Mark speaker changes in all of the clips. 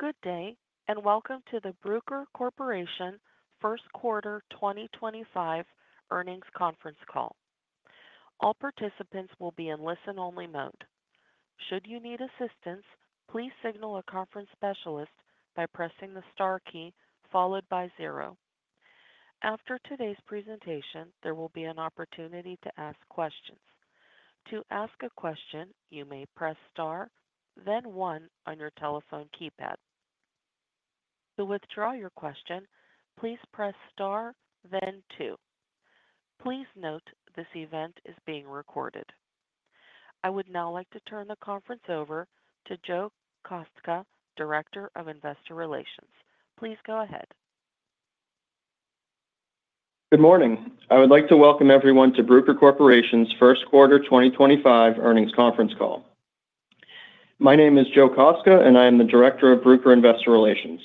Speaker 1: Good day, and welcome to the Bruker Corporation First Quarter 2025 Earnings Conference call. All participants will be in listen-only mode. Should you need assistance, please signal a conference specialist by pressing the star key followed by zero. After today's presentation, there will be an opportunity to ask questions. To ask a question, you may press star, then one on your telephone keypad. To withdraw your question, please press star, then two. Please note this event is being recorded. I would now like to turn the conference over to Joe Kostka, Director of Investor Relations. Please go ahead.
Speaker 2: Good morning. I would like to welcome everyone to Bruker Corporation's First Quarter 2025 Earnings Conference Call. My name is Joe Kostka, and I am the Director of Bruker Investor Relations.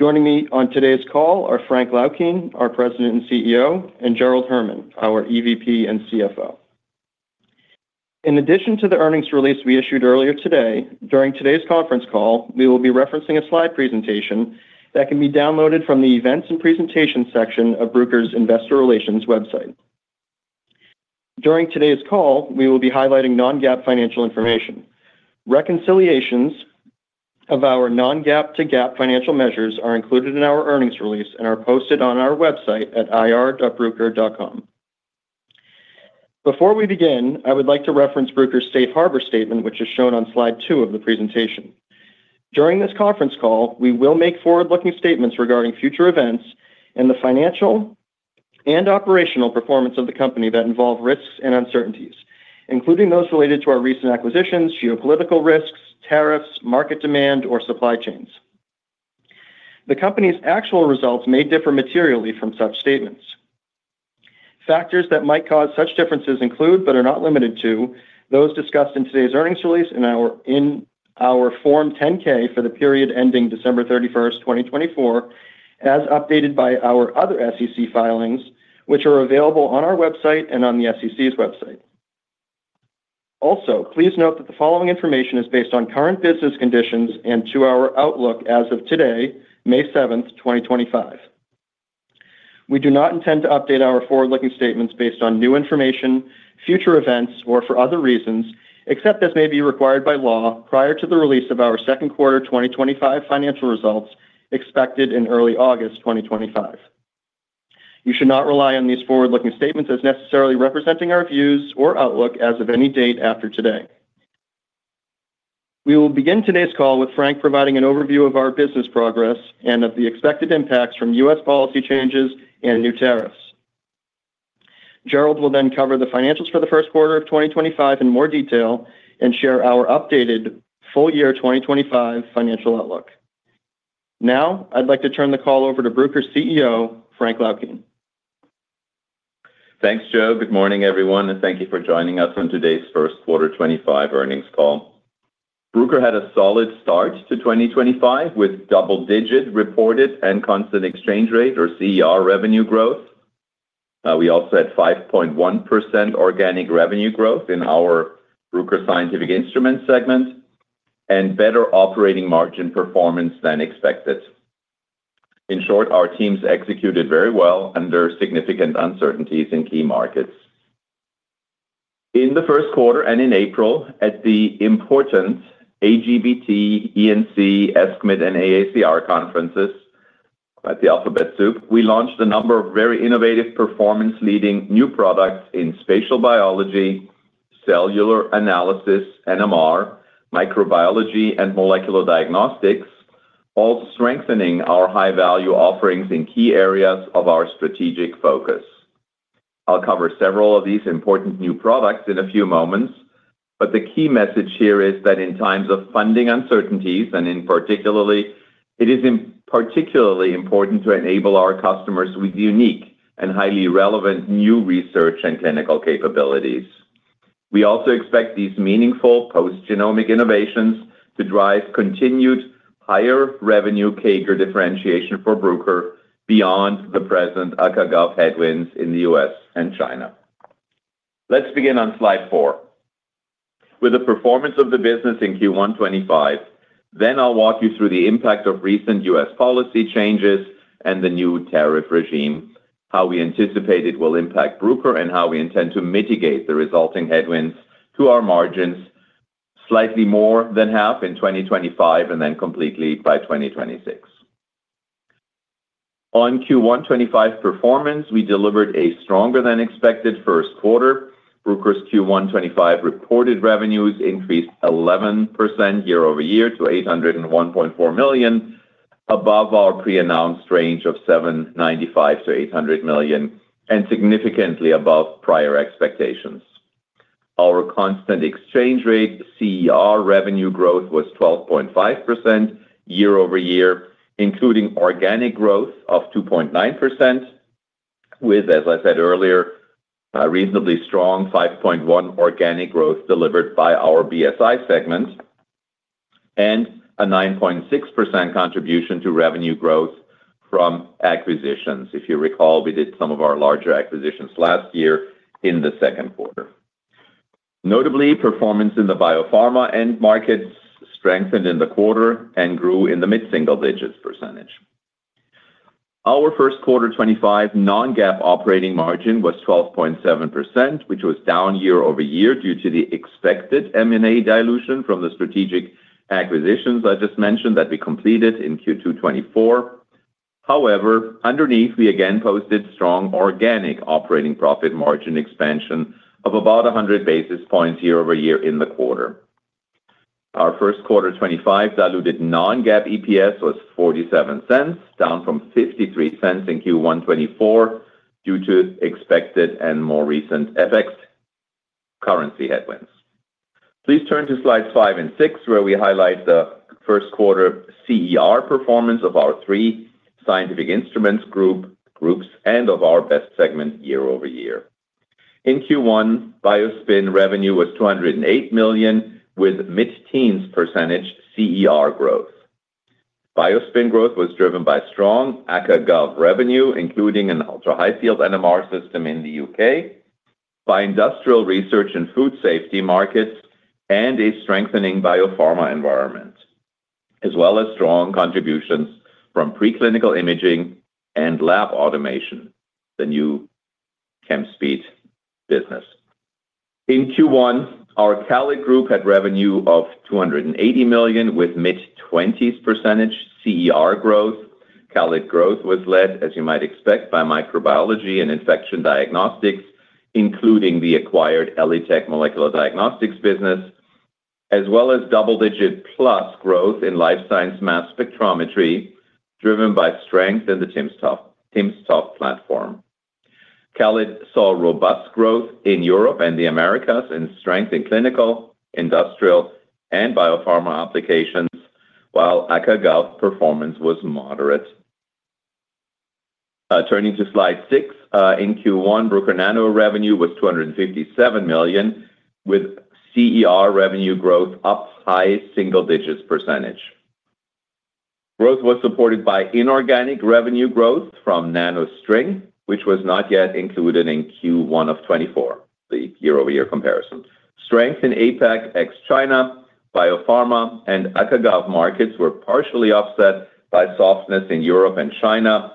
Speaker 2: Joining me on today's call are Frank Laukien, our President and CEO, and Gerald Herman, our EVP and CFO. In addition to the earnings release we issued earlier today, during today's conference call, we will be referencing a slide presentation that can be downloaded from the Events and Presentations section of Bruker's Investor Relations website. During today's call, we will be highlighting non-GAAP financial information. Reconciliations of our non-GAAP to GAAP financial measures are included in our earnings release and are posted on our website at irbruker.com. Before we begin, I would like to reference Bruker's Safe Harbor Statement, which is shown on slide two of the presentation. During this conference call, we will make forward-looking statements regarding future events and the financial and operational performance of the company that involve risks and uncertainties, including those related to our recent acquisitions, geopolitical risks, tariffs, market demand, or supply chains. The company's actual results may differ materially from such statements. Factors that might cause such differences include, but are not limited to, those discussed in today's earnings release and in our Form 10-K for the period ending December 31, 2024, as updated by our other SEC filings, which are available on our website and on the SEC's website. Also, please note that the following information is based on current business conditions and to our outlook as of today, May 7, 2025. We do not intend to update our forward-looking statements based on new information, future events, or for other reasons, except as may be required by law prior to the release of our second quarter 2025 financial results expected in early August 2025. You should not rely on these forward-looking statements as necessarily representing our views or outlook as of any date after today. We will begin today's call with Frank providing an overview of our business progress and of the expected impacts from U.S. policy changes and new tariffs. Gerald will then cover the financials for the first quarter of 2025 in more detail and share our updated full year 2025 financial outlook. Now, I'd like to turn the call over to Bruker's CEO, Frank Laukien.
Speaker 3: Thanks, Joe. Good morning, everyone, and thank you for joining us on today's first quarter 2025 earnings call. Bruker had a solid start to 2025 with double-digit reported and constant exchange rate, or CER, revenue growth. We also had 5.1% organic revenue growth in our Bruker Scientific Instruments segment and better operating margin performance than expected. In short, our teams executed very well under significant uncertainties in key markets. In the first quarter and in April, at the important AGBT, ENC, ESCMID, and AACR conferences at the Alphabet Soup, we launched a number of very innovative performance-leading new products in spatial biology, cellular analysis, NMR, microbiology, and molecular diagnostics, all strengthening our high-value offerings in key areas of our strategic focus. I'll cover several of these important new products in a few moments, but the key message here is that in times of funding uncertainties, and in particular, it is particularly important to enable our customers with unique and highly relevant new research and clinical capabilities. We also expect these meaningful post-genomic innovations to drive continued higher revenue CAGR differentiation for Bruker beyond the present ACA/GOV headwinds in the U.S. and China. Let's begin on slide four with the performance of the business in Q1 2025. Then I'll walk you through the impact of recent U.S. policy changes and the new tariff regime, how we anticipate it will impact Bruker, and how we intend to mitigate the resulting headwinds to our margins slightly more than half in 2025 and then completely by 2026. On Q1 2025 performance, we delivered a stronger-than-expected first quarter. Bruker's Q1 2025 reported revenues increased 11% year-over-year to $801.4 million, above our pre-announced range of $795-$800 million, and significantly above prior expectations. Our constant exchange rate CER revenue growth was 12.5% year-over-year, including organic growth of 2.9%, with, as I said earlier, reasonably strong 5.1% organic growth delivered by our BSI segment and a 9.6% contribution to revenue growth from acquisitions. If you recall, we did some of our larger acquisitions last year in the second quarter. Notably, performance in the biopharma end markets strengthened in the quarter and grew in the mid-single digits percentage. Our first quarter 2025 non-GAAP operating margin was 12.7%, which was down year-over-year due to the expected M&A dilution from the strategic acquisitions I just mentioned that we completed in Q2 2024. However, underneath, we again posted strong organic operating profit margin expansion of about 100 basis points year-over-year in the quarter. Our first quarter 2025 diluted non-GAAP EPS was $0.47, down from $0.53 in Q1 2024 due to expected and more recent FX currency headwinds. Please turn to slides five and six, where we highlight the first quarter CER performance of our three scientific instruments groups, and of our BEST segment year-over-year. In Q1, BioSpin revenue was $208 million, with mid-teens % CER growth. BioSpin growth was driven by strong aca gov revenue, including an ultra-high field NMR system in the U.K., by industrial research and food safety markets, and a strengthening biopharma environment, as well as strong contributions from preclinical imaging and lab automation, the new ChemSpeed business. In Q1, our CALID group had revenue of $280 million, with mid-20s % CER growth. CALID growth was led, as you might expect, by microbiology and infection diagnostics, including the acquired ELITech Molecular diagnostics business, as well as double-digit plus growth in life science mass spectrometry driven by strength in the timsTOF platform. CALID saw robust growth in Europe and the Americas and strength in clinical, industrial, and biopharma applications, while ACA/GOV performance was moderate. Turning to slide six, in Q1, Bruker Nano revenue was $257 million, with CER revenue growth up high single digits %. Growth was supported by inorganic revenue growth from Nanostring, which was not yet included in Q1 of 2024, the year-over-year comparison. Strength in APAC, ex-China, biopharma, and ACA/GOV markets were partially offset by softness in Europe and China,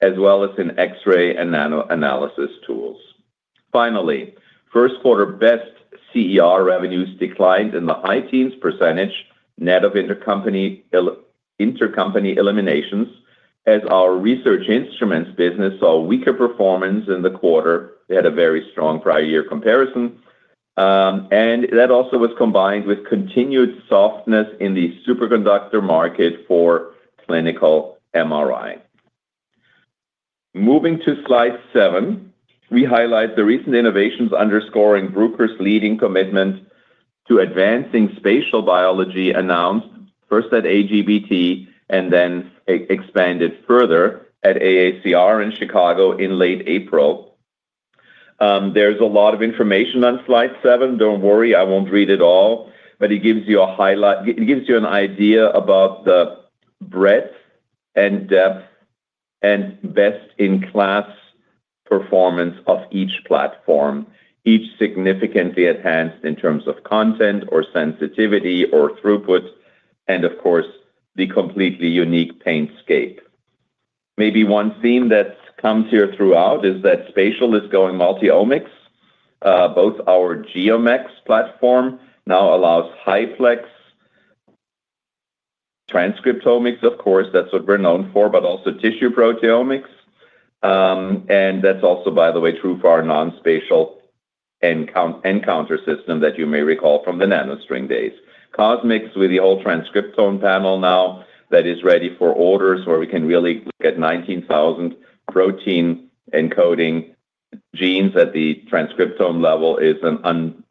Speaker 3: as well as in X-ray and nano-analysis tools. Finally, first quarter BEST CER revenues declined in the high teens % net of intercompany eliminations, as our research instruments business saw weaker performance in the quarter. They had a very strong prior year comparison, and that also was combined with continued softness in the superconductor market for clinical MRI. Moving to slide seven, we highlight the recent innovations underscoring Bruker's leading commitment to advancing spatial biology, announced first at AGBT and then expanded further at AACR in Chicago in late April. There's a lot of information on slide seven. Don't worry, I won't read it all, but it gives you a highlight. It gives you an idea about the breadth and depth and best-in-class performance of each platform, each significantly enhanced in terms of content or sensitivity or throughput, and of course, the completely unique Paintscape. Maybe one theme that comes here throughout is that spatial is going multi-omics. Both our Geoax platform now allows high-plex transcriptomics. Of course, that's what we're known for, but also tissue proteomics. That is also, by the way, true for our non-spatial encounter system that you may recall from the Nanostring days. CosMx, with the whole transcriptome panel now that is ready for orders, where we can really look at 19,000 protein-encoding genes at the transcriptome level, is an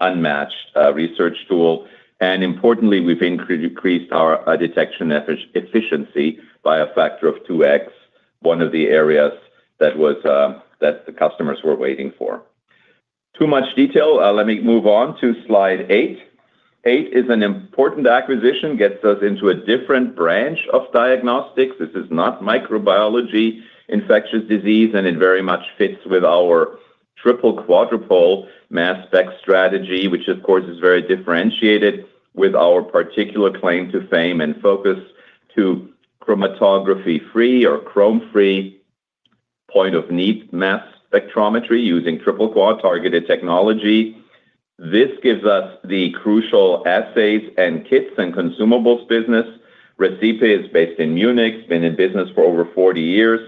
Speaker 3: unmatched research tool. Importantly, we've increased our detection efficiency by a factor of 2x, one of the areas that the customers were waiting for. Too much detail. Let me move on to slide eight. Eight is an important acquisition. It gets us into a different branch of diagnostics. This is not microbiology, infectious disease, and it very much fits with our triple quad mass spec strategy, which, of course, is very differentiated with our particular claim to fame and focus to chromatography-free or chrome-free point-of-need mass spectrometry using triple quad targeted technology. This gives us the crucial assays and kits and consumables business. RECIPE is based in Munich, been in business for over 40 years.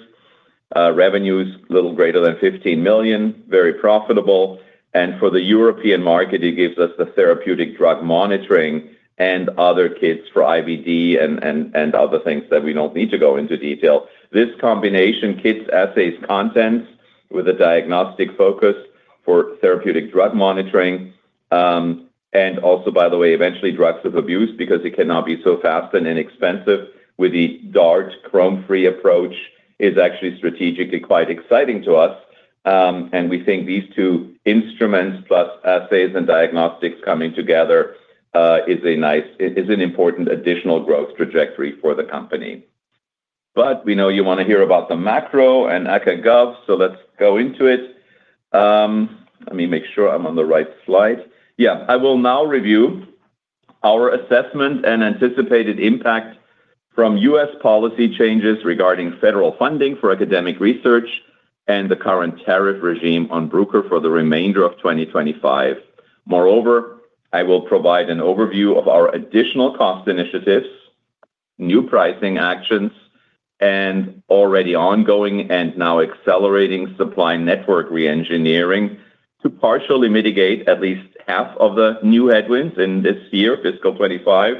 Speaker 3: Revenues a little greater than $15 million, very profitable. For the European market, it gives us the therapeutic drug monitoring and other kits for IBD and other things that we do not need to go into detail. This combination kits assays contents with a diagnostic focus for therapeutic drug monitoring and also, by the way, eventually drugs of abuse because it cannot be so fast and inexpensive with the DART chrome-free approach is actually strategically quite exciting to us. We think these two instruments plus assays and diagnostics coming together is an important additional growth trajectory for the company. We know you want to hear about the macro and ACA/GOV, so let's go into it. Let me make sure I'm on the right slide. Yeah. I will now review our assessment and anticipated impact from U.S. policy changes regarding federal funding for academic research and the current tariff regime on Bruker for the remainder of 2025. Moreover, I will provide an overview of our additional cost initiatives, new pricing actions, and already ongoing and now accelerating supply network re-engineering to partially mitigate at least half of the new headwinds in this year, fiscal 2025,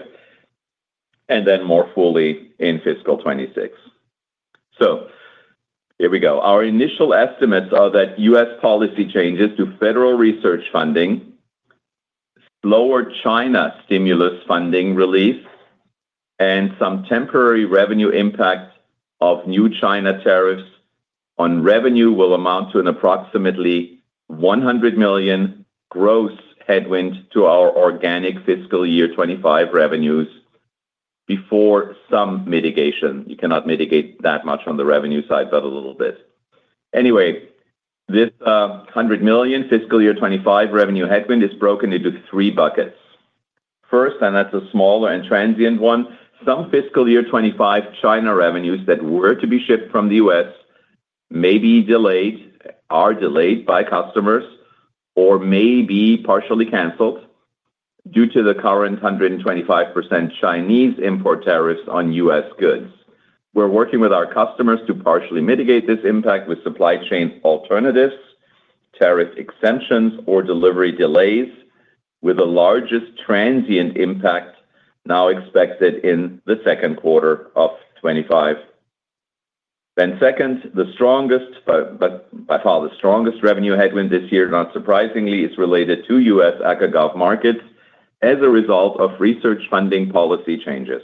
Speaker 3: and then more fully in fiscal 2026. Here we go. Our initial estimates are that U.S. Policy changes to federal research funding, slower China stimulus funding release, and some temporary revenue impact of new China tariffs on revenue will amount to an approximately $100 million gross headwind to our organic fiscal year 2025 revenues before some mitigation. You cannot mitigate that much on the revenue side, but a little bit. Anyway, this $100 million fiscal year 2025 revenue headwind is broken into three buckets. First, and that is a smaller and transient one, some fiscal year 2025 China revenues that were to be shipped from the U.S. may be delayed, are delayed by customers, or may be partially canceled due to the current 125% Chinese import tariffs on U.S. goods. We are working with our customers to partially mitigate this impact with supply chain alternatives, tariff extensions, or delivery delays, with the largest transient impact now expected in the second quarter of 2025. The second, but by far the strongest revenue headwind this year, not surprisingly, is related to U.S. ACA/GOV markets as a result of research funding policy changes.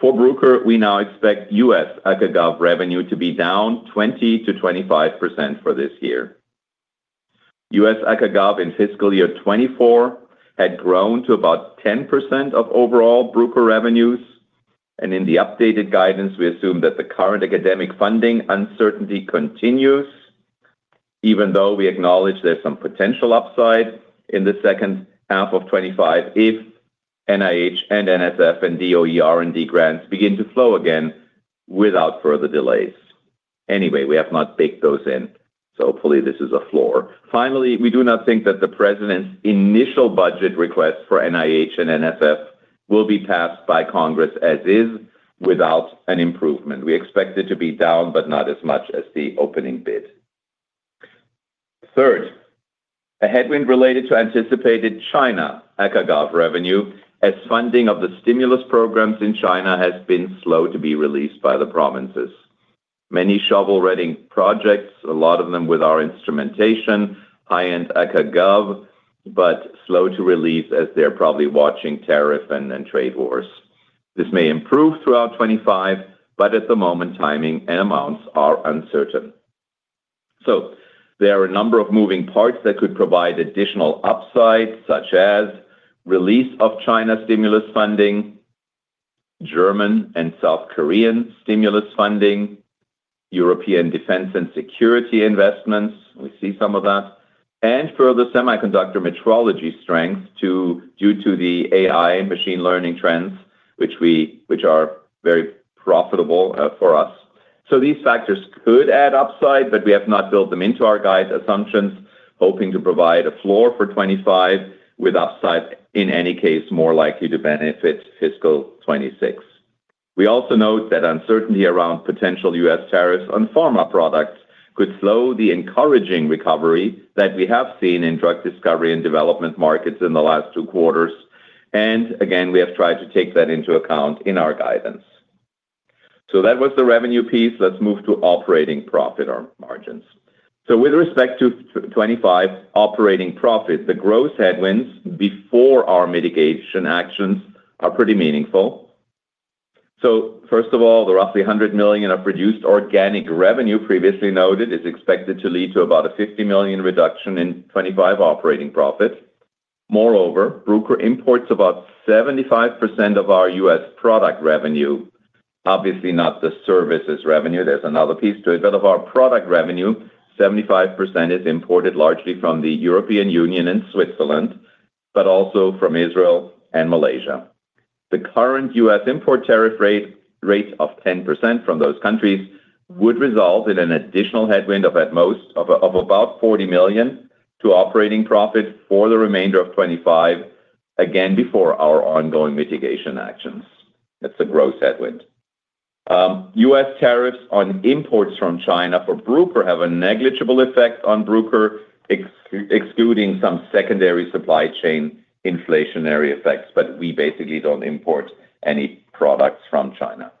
Speaker 3: For Bruker, we now expect U.S. ACA/GOV revenue to be down 20-25% for this year. U.S. in fiscal year 2024 had grown to about 10% of overall Bruker revenues. In the updated guidance, we assume that the current academic funding uncertainty continues, even though we acknowledge there is some potential upside in the second half of 2025 if NIH and NSF and DOE R&D grants begin to flow again without further delays. Anyway, we have not baked those in, so hopefully this is a floor. Finally, we do not think that the president's initial budget request for NIH and NSF will be passed by Congress as is without an improvement. We expect it to be down, but not as much as the opening bid. Third, a headwind related to anticipated China aca gov revenue as funding of the stimulus programs in China has been slow to be released by the provinces. Many shovel-ready projects, a lot of them with our instrumentation, high-end ACA/GOV, but slow to release as they're probably watching tariff and trade wars. This may improve throughout 2025, but at the moment, timing and amounts are uncertain. There are a number of moving parts that could provide additional upside, such as release of China stimulus funding, German and South Korean stimulus funding, European defense and security investments. We see some of that. Further, semiconductor metrology strength due to the AI machine learning trends, which are very profitable for us. These factors could add upside, but we have not built them into our guide assumptions, hoping to provide a floor for 2025 with upside in any case more likely to benefit fiscal 2026. We also note that uncertainty around potential U.S. tariffs on pharma products could slow the encouraging recovery that we have seen in drug discovery and development markets in the last two quarters. Again, we have tried to take that into account in our guidance. That was the revenue piece. Let's move to operating profit or margins. With respect to 2025 operating profit, the gross headwinds before our mitigation actions are pretty meaningful. First of all, the roughly $100 million of reduced organic revenue previously noted is expected to lead to about a $50 million reduction in 2025 operating profit. Moreover, Bruker imports about 75% of our U.S. Product revenue, obviously not the services revenue. There's another piece to it. But of our product revenue, 75% is imported largely from the European Union and Switzerland, but also from Israel and Malaysia. The current U.S. import tariff rate of 10% from those countries would result in an additional headwind of at most about $40 million to operating profit for the remainder of 2025, again before our ongoing mitigation actions. That's the gross headwind. U.S. tariffs on imports from China for Bruker have a negligible effect on Bruker, excluding some secondary supply chain inflationary effects, but we basically don't import any products from China.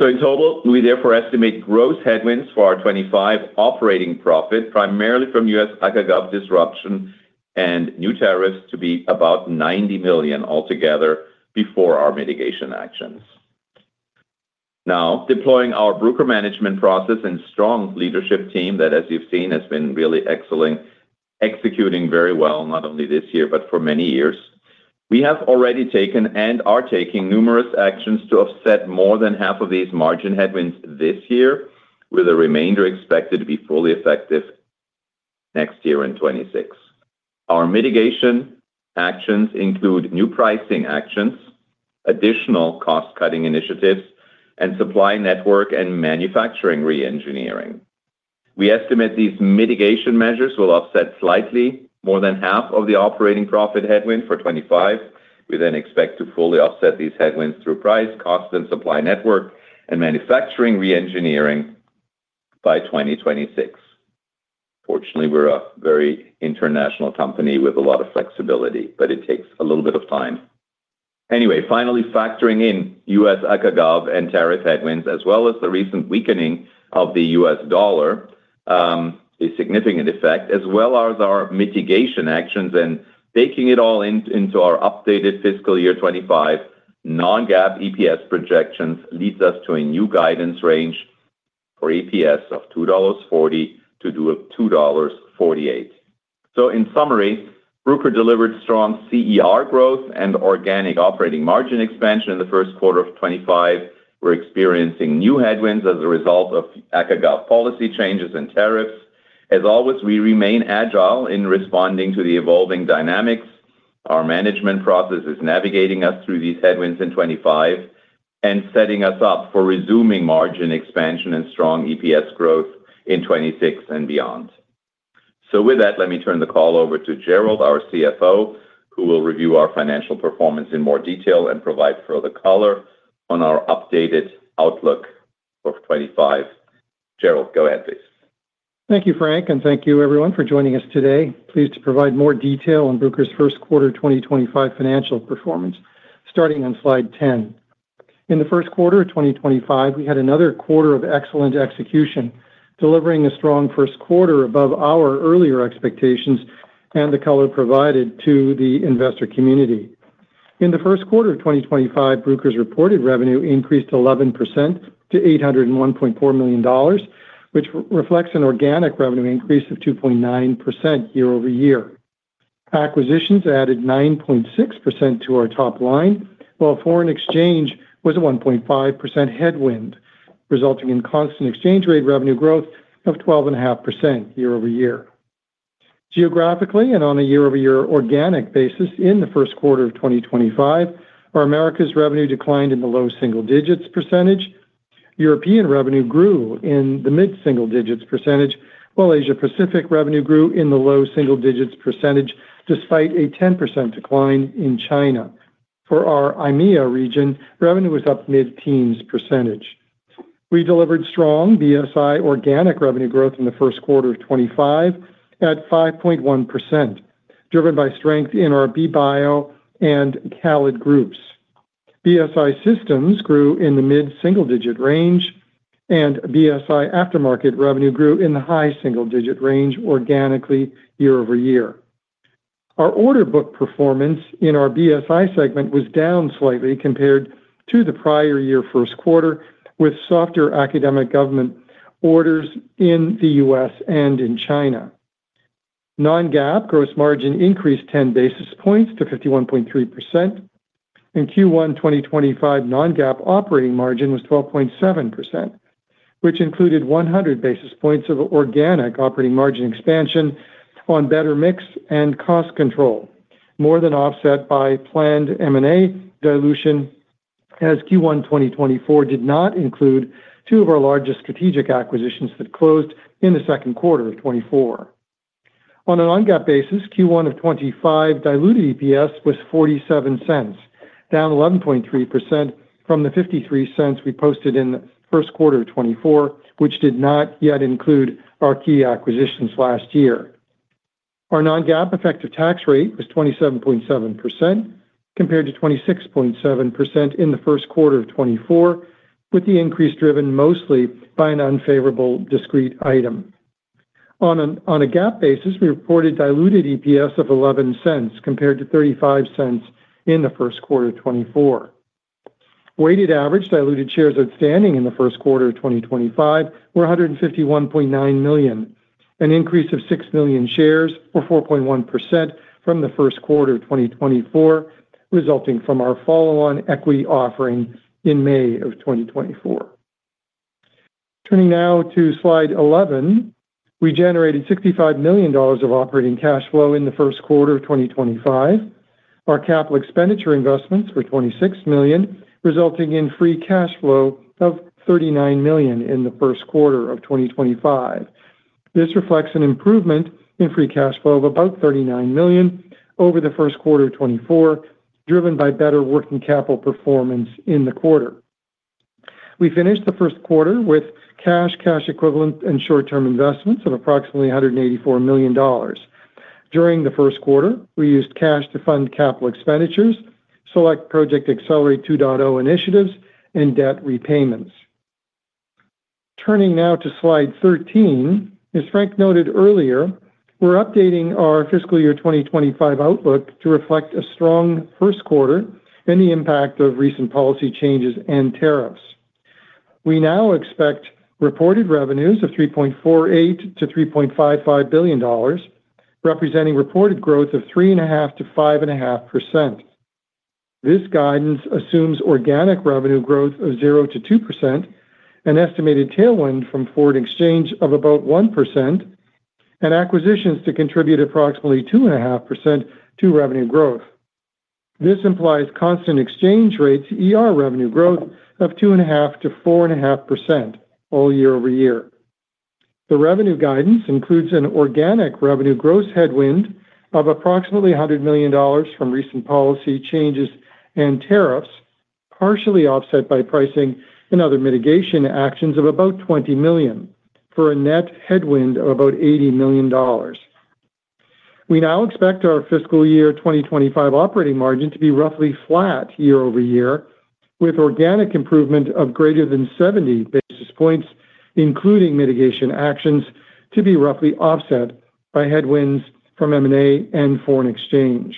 Speaker 3: In total, we therefore estimate gross headwinds for our 2025 operating profit, primarily from U.S. ACA/GOV disruption and new tariffs, to be about $90 million altogether before our mitigation actions. Now, deploying our Bruker management process and strong leadership team that, as you've seen, has been really excelling, executing very well, not only this year, but for many years. We have already taken and are taking numerous actions to offset more than half of these margin headwinds this year, with the remainder expected to be fully effective next year in 2026. Our mitigation actions include new pricing actions, additional cost-cutting initiatives, and supply network and manufacturing re-engineering. We estimate these mitigation measures will offset slightly more than half of the operating profit headwind for 2025. We then expect to fully offset these headwinds through price, cost, and supply network and manufacturing re-engineering by 2026. Fortunately, we're a very international company with a lot of flexibility, but it takes a little bit of time. Anyway, finally, factoring in U.S. ACA/GOV and tariff headwinds, as well as the recent weakening of the U.S. dollar, a significant effect, as well as our mitigation actions and baking it all into our updated fiscal year 2025 non-GAAP EPS projections leads us to a new guidance range for EPS of $2.40-$2.48. In summary, Bruker delivered strong CER growth and organic operating margin expansion in the first quarter of 2025. We are experiencing new headwinds as a result of aca gov policy changes and tariffs. As always, we remain agile in responding to the evolving dynamics. Our management process is navigating us through these headwinds in 2025 and setting us up for resuming margin expansion and strong EPS growth in 2026 and beyond. With that, let me turn the call over to Gerald, our CFO, who will review our financial performance in more detail and provide further color on our updated outlook for 2025. Gerald, go ahead, please.
Speaker 4: Thank you, Frank, and thank you, everyone, for joining us today. Pleased to provide more detail on Bruker's first quarter 2025 financial performance, starting on slide 10. In the first quarter of 2025, we had another quarter of excellent execution, delivering a strong first quarter above our earlier expectations and the color provided to the investor community. In the first quarter of 2025, Bruker's reported revenue increased 11% to $801.4 million, which reflects an organic revenue increase of 2.9% year over year. Acquisitions added 9.6% to our top line, while foreign exchange was a 1.5% headwind, resulting in constant exchange rate revenue growth of 12.5% year over year. Geographically and on a year-over-year organic basis, in the first quarter of 2025, our Americas revenue declined in the low single digits %. European revenue grew in the mid-single digits %, while Asia-Pacific revenue grew in the low single digits % despite a 10% decline in China. For our IMEA region, revenue was up mid-teens %. We delivered strong BSI organic revenue growth in the first quarter of 2025 at 5.1%, driven by strength in our BBio and CALID groups. BSI systems grew in the mid-single digit range, and BSI aftermarket revenue grew in the high single digit range organically year over year. Our order book performance in our BSI segment was down slightly compared to the prior year first quarter, with softer academic government orders in the U.S. and in China. Non-GAAP gross margin increased 10 basis points to 51.3%, and Q1 2025 non-GAAP operating margin was 12.7%, which included 100 basis points of organic operating margin expansion on better mix and cost control, more than offset by planned M&A dilution as Q1 2024 did not include two of our largest strategic acquisitions that closed in the second quarter of 2024. On a non-GAAP basis, Q1 of 2025 diluted EPS was $0.47, down 11.3% from the $0.53 we posted in the first quarter of 2024, which did not yet include our key acquisitions last year. Our non-GAAP effective tax rate was 27.7% compared to 26.7% in the first quarter of 2024, with the increase driven mostly by an unfavorable discrete item. On a GAAP basis, we reported diluted EPS of $0.11 compared to $0.35 in the first quarter of 2024. Weighted average diluted shares outstanding in the first quarter of 2025 were 151.9 million, an increase of 6 million shares or 4.1% from the first quarter of 2024, resulting from our follow-on equity offering in May of 2024. Turning now to slide 11, we generated $65 million of operating cash flow in the first quarter of 2025. Our capital expenditure investments were $26 million, resulting in free cash flow of $39 million in the first quarter of 2025. This reflects an improvement in free cash flow of about $39 million over the first quarter of 2024, driven by better working capital performance in the quarter. We finished the first quarter with cash, cash equivalents, and short-term investments of approximately $184 million. During the first quarter, we used cash to fund capital expenditures, select Project Accelerate 2.0 initiatives, and debt repayments. Turning now to slide 13, as Frank noted earlier, we're updating our fiscal year 2025 outlook to reflect a strong first quarter and the impact of recent policy changes and tariffs. We now expect reported revenues of $3.48 billion-$3.55 billion, representing reported growth of 3.5%-5.5%. This guidance assumes organic revenue growth of 0%-2%, an estimated tailwind from foreign exchange of about 1%, and acquisitions to contribute approximately 2.5% to revenue growth. This implies constant exchange rates revenue growth of 2.5%-4.5% all year over year. The revenue guidance includes an organic revenue gross headwind of approximately $100 million from recent policy changes and tariffs, partially offset by pricing and other mitigation actions of about $20 million, for a net headwind of about $80 million. We now expect our fiscal year 2025 operating margin to be roughly flat year over year, with organic improvement of greater than 70 basis points, including mitigation actions, to be roughly offset by headwinds from M&A and foreign exchange.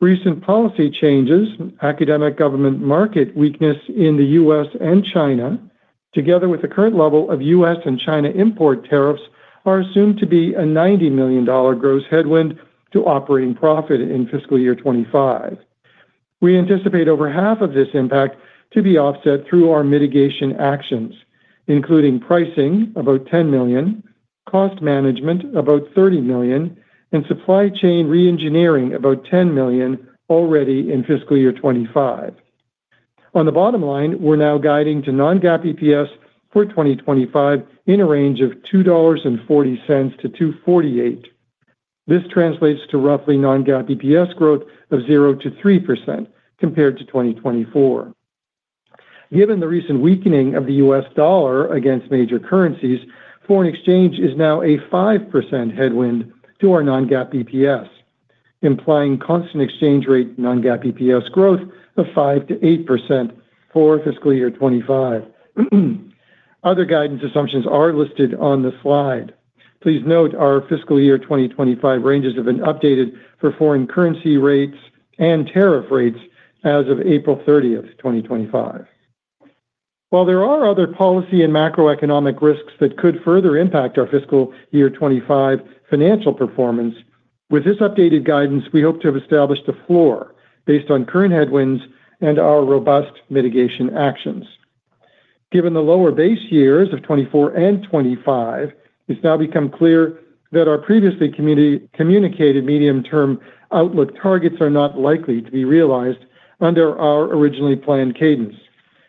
Speaker 4: Recent policy changes, academic government market weakness in the U.S. and China, together with the current level of U.S. and China import tariffs, are assumed to be a $90 million gross headwind to operating profit in fiscal year 2025. We anticipate over half of this impact to be offset through our mitigation actions, including pricing about $10 million, cost management about $30 million, and supply chain re-engineering about $10 million already in fiscal year 2025. On the bottom line, we're now guiding to non-GAAP EPS for 2025 in a range of $2.40-$2.48. This translates to roughly non-GAAP EPS growth of 0-3% compared to 2024. Given the recent weakening of the U.S. dollar against major currencies, foreign exchange is now a 5% headwind to our non-GAAP EPS, implying constant exchange rate non-GAAP EPS growth of 5-8% for fiscal year 2025. Other guidance assumptions are listed on the slide. Please note our fiscal year 2025 ranges have been updated for foreign currency rates and tariff rates as of April 30, 2025. While there are other policy and macroeconomic risks that could further impact our fiscal year 2025 financial performance, with this updated guidance, we hope to have established a floor based on current headwinds and our robust mitigation actions. Given the lower base years of 2024 and 2025, it's now become clear that our previously communicated medium-term outlook targets are not likely to be realized under our originally planned cadence.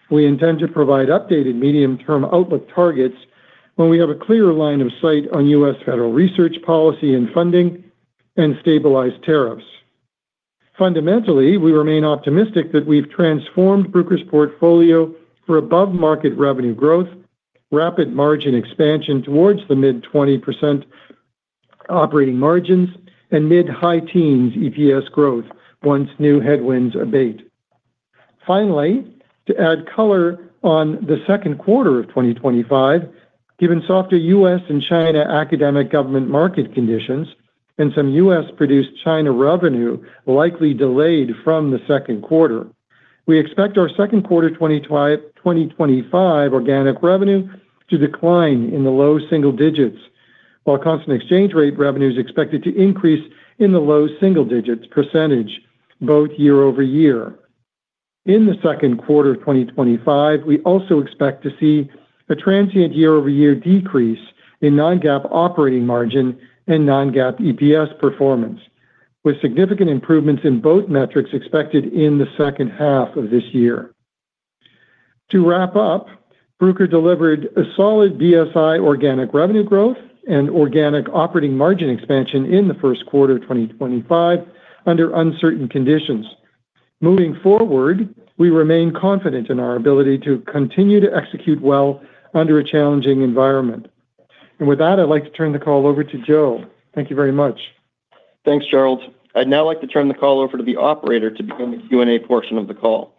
Speaker 4: We intend to provide updated medium-term outlook targets when we have a clear line of sight on U.S. federal research policy and funding and stabilized tariffs. Fundamentally, we remain optimistic that we've transformed Bruker's portfolio for above-market revenue growth, rapid margin expansion towards the mid-20% operating margins, and mid-high teens EPS growth once new headwinds abate. Finally, to add color on the second quarter of 2025, given softer U.S. and China academic government market conditions and some U.S.-produced China revenue likely delayed from the second quarter, we expect our second quarter 2025 organic revenue to decline in the low single digits, while constant exchange rate revenue is expected to increase in the low single digits % both year over year. In the second quarter of 2025, we also expect to see a transient year-over-year decrease in non-GAAP operating margin and non-GAAP EPS performance, with significant improvements in both metrics expected in the second half of this year. To wrap up, Bruker delivered a solid BSI organic revenue growth and organic operating margin expansion in the first quarter of 2025 under uncertain conditions. Moving forward, we remain confident in our ability to continue to execute well under a challenging environment. With that, I'd like to turn the call over to Joe. Thank you very much.
Speaker 2: Thanks, Gerald. I'd now like to turn the call over to the operator to begin the Q&A portion of the call.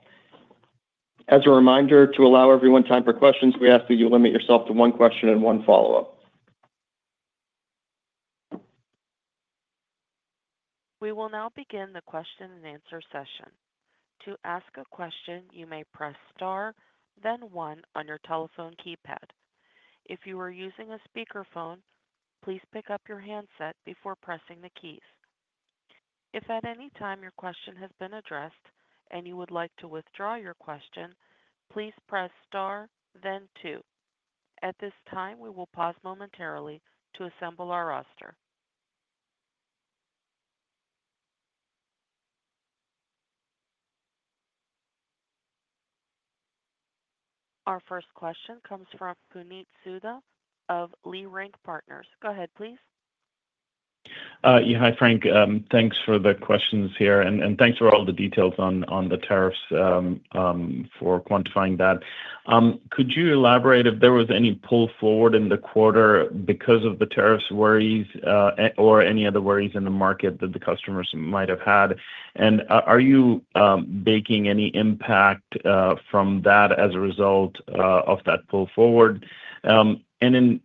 Speaker 2: As a reminder, to allow everyone time for questions, we ask that you limit yourself to one question and one follow-up.
Speaker 1: We will now begin the question-and-answer session. To ask a question, you may press star, then one on your telephone keypad. If you are using a speakerphone, please pick up your handset before pressing the keys. If at any time your question has been addressed and you would like to withdraw your question, please press star, then two. At this time, we will pause momentarily to assemble our roster. Our first question comes from Puneet Souda of Leerink Partners. Go ahead, please.
Speaker 5: Yeah, hi, Frank. Thanks for the questions here, and thanks for all the details on the tariffs for quantifying that. Could you elaborate if there was any pull forward in the quarter because of the tariffs worries or any other worries in the market that the customers might have had? Are you baking any impact from that as a result of that pull forward? In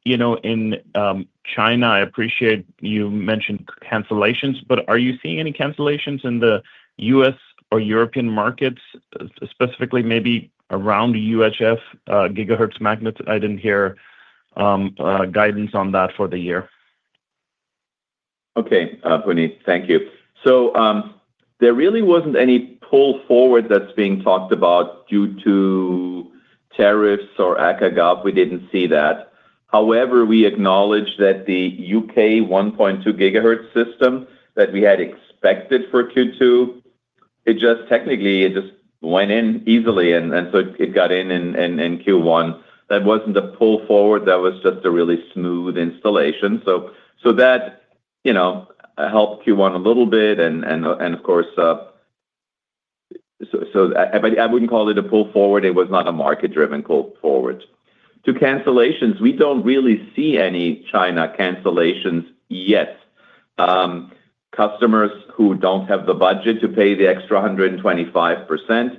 Speaker 5: China, I appreciate you mentioned cancellations, but are you seeing any cancellations in the U.S. or European markets, specifically maybe around UHF gigahertz magnets? I did not hear guidance on that for the year.
Speaker 3: Okay, Puneet, thank you. There really was not any pull forward that is being talked about due to tariffs or ACA/GOV. We did not see that. However, we acknowledge that the U.K. 1.2 gigahertz system that we had expected for Q2, it just technically just went in easily, and so it got in in Q1. That was not a pull forward. That was just a really smooth installation. That helped Q1 a little bit. Of course, I would not call it a pull forward. It was not a market-driven pull forward. To cancellations, we do not really see any China cancellations yet. Customers who do not have the budget to pay the extra 125%,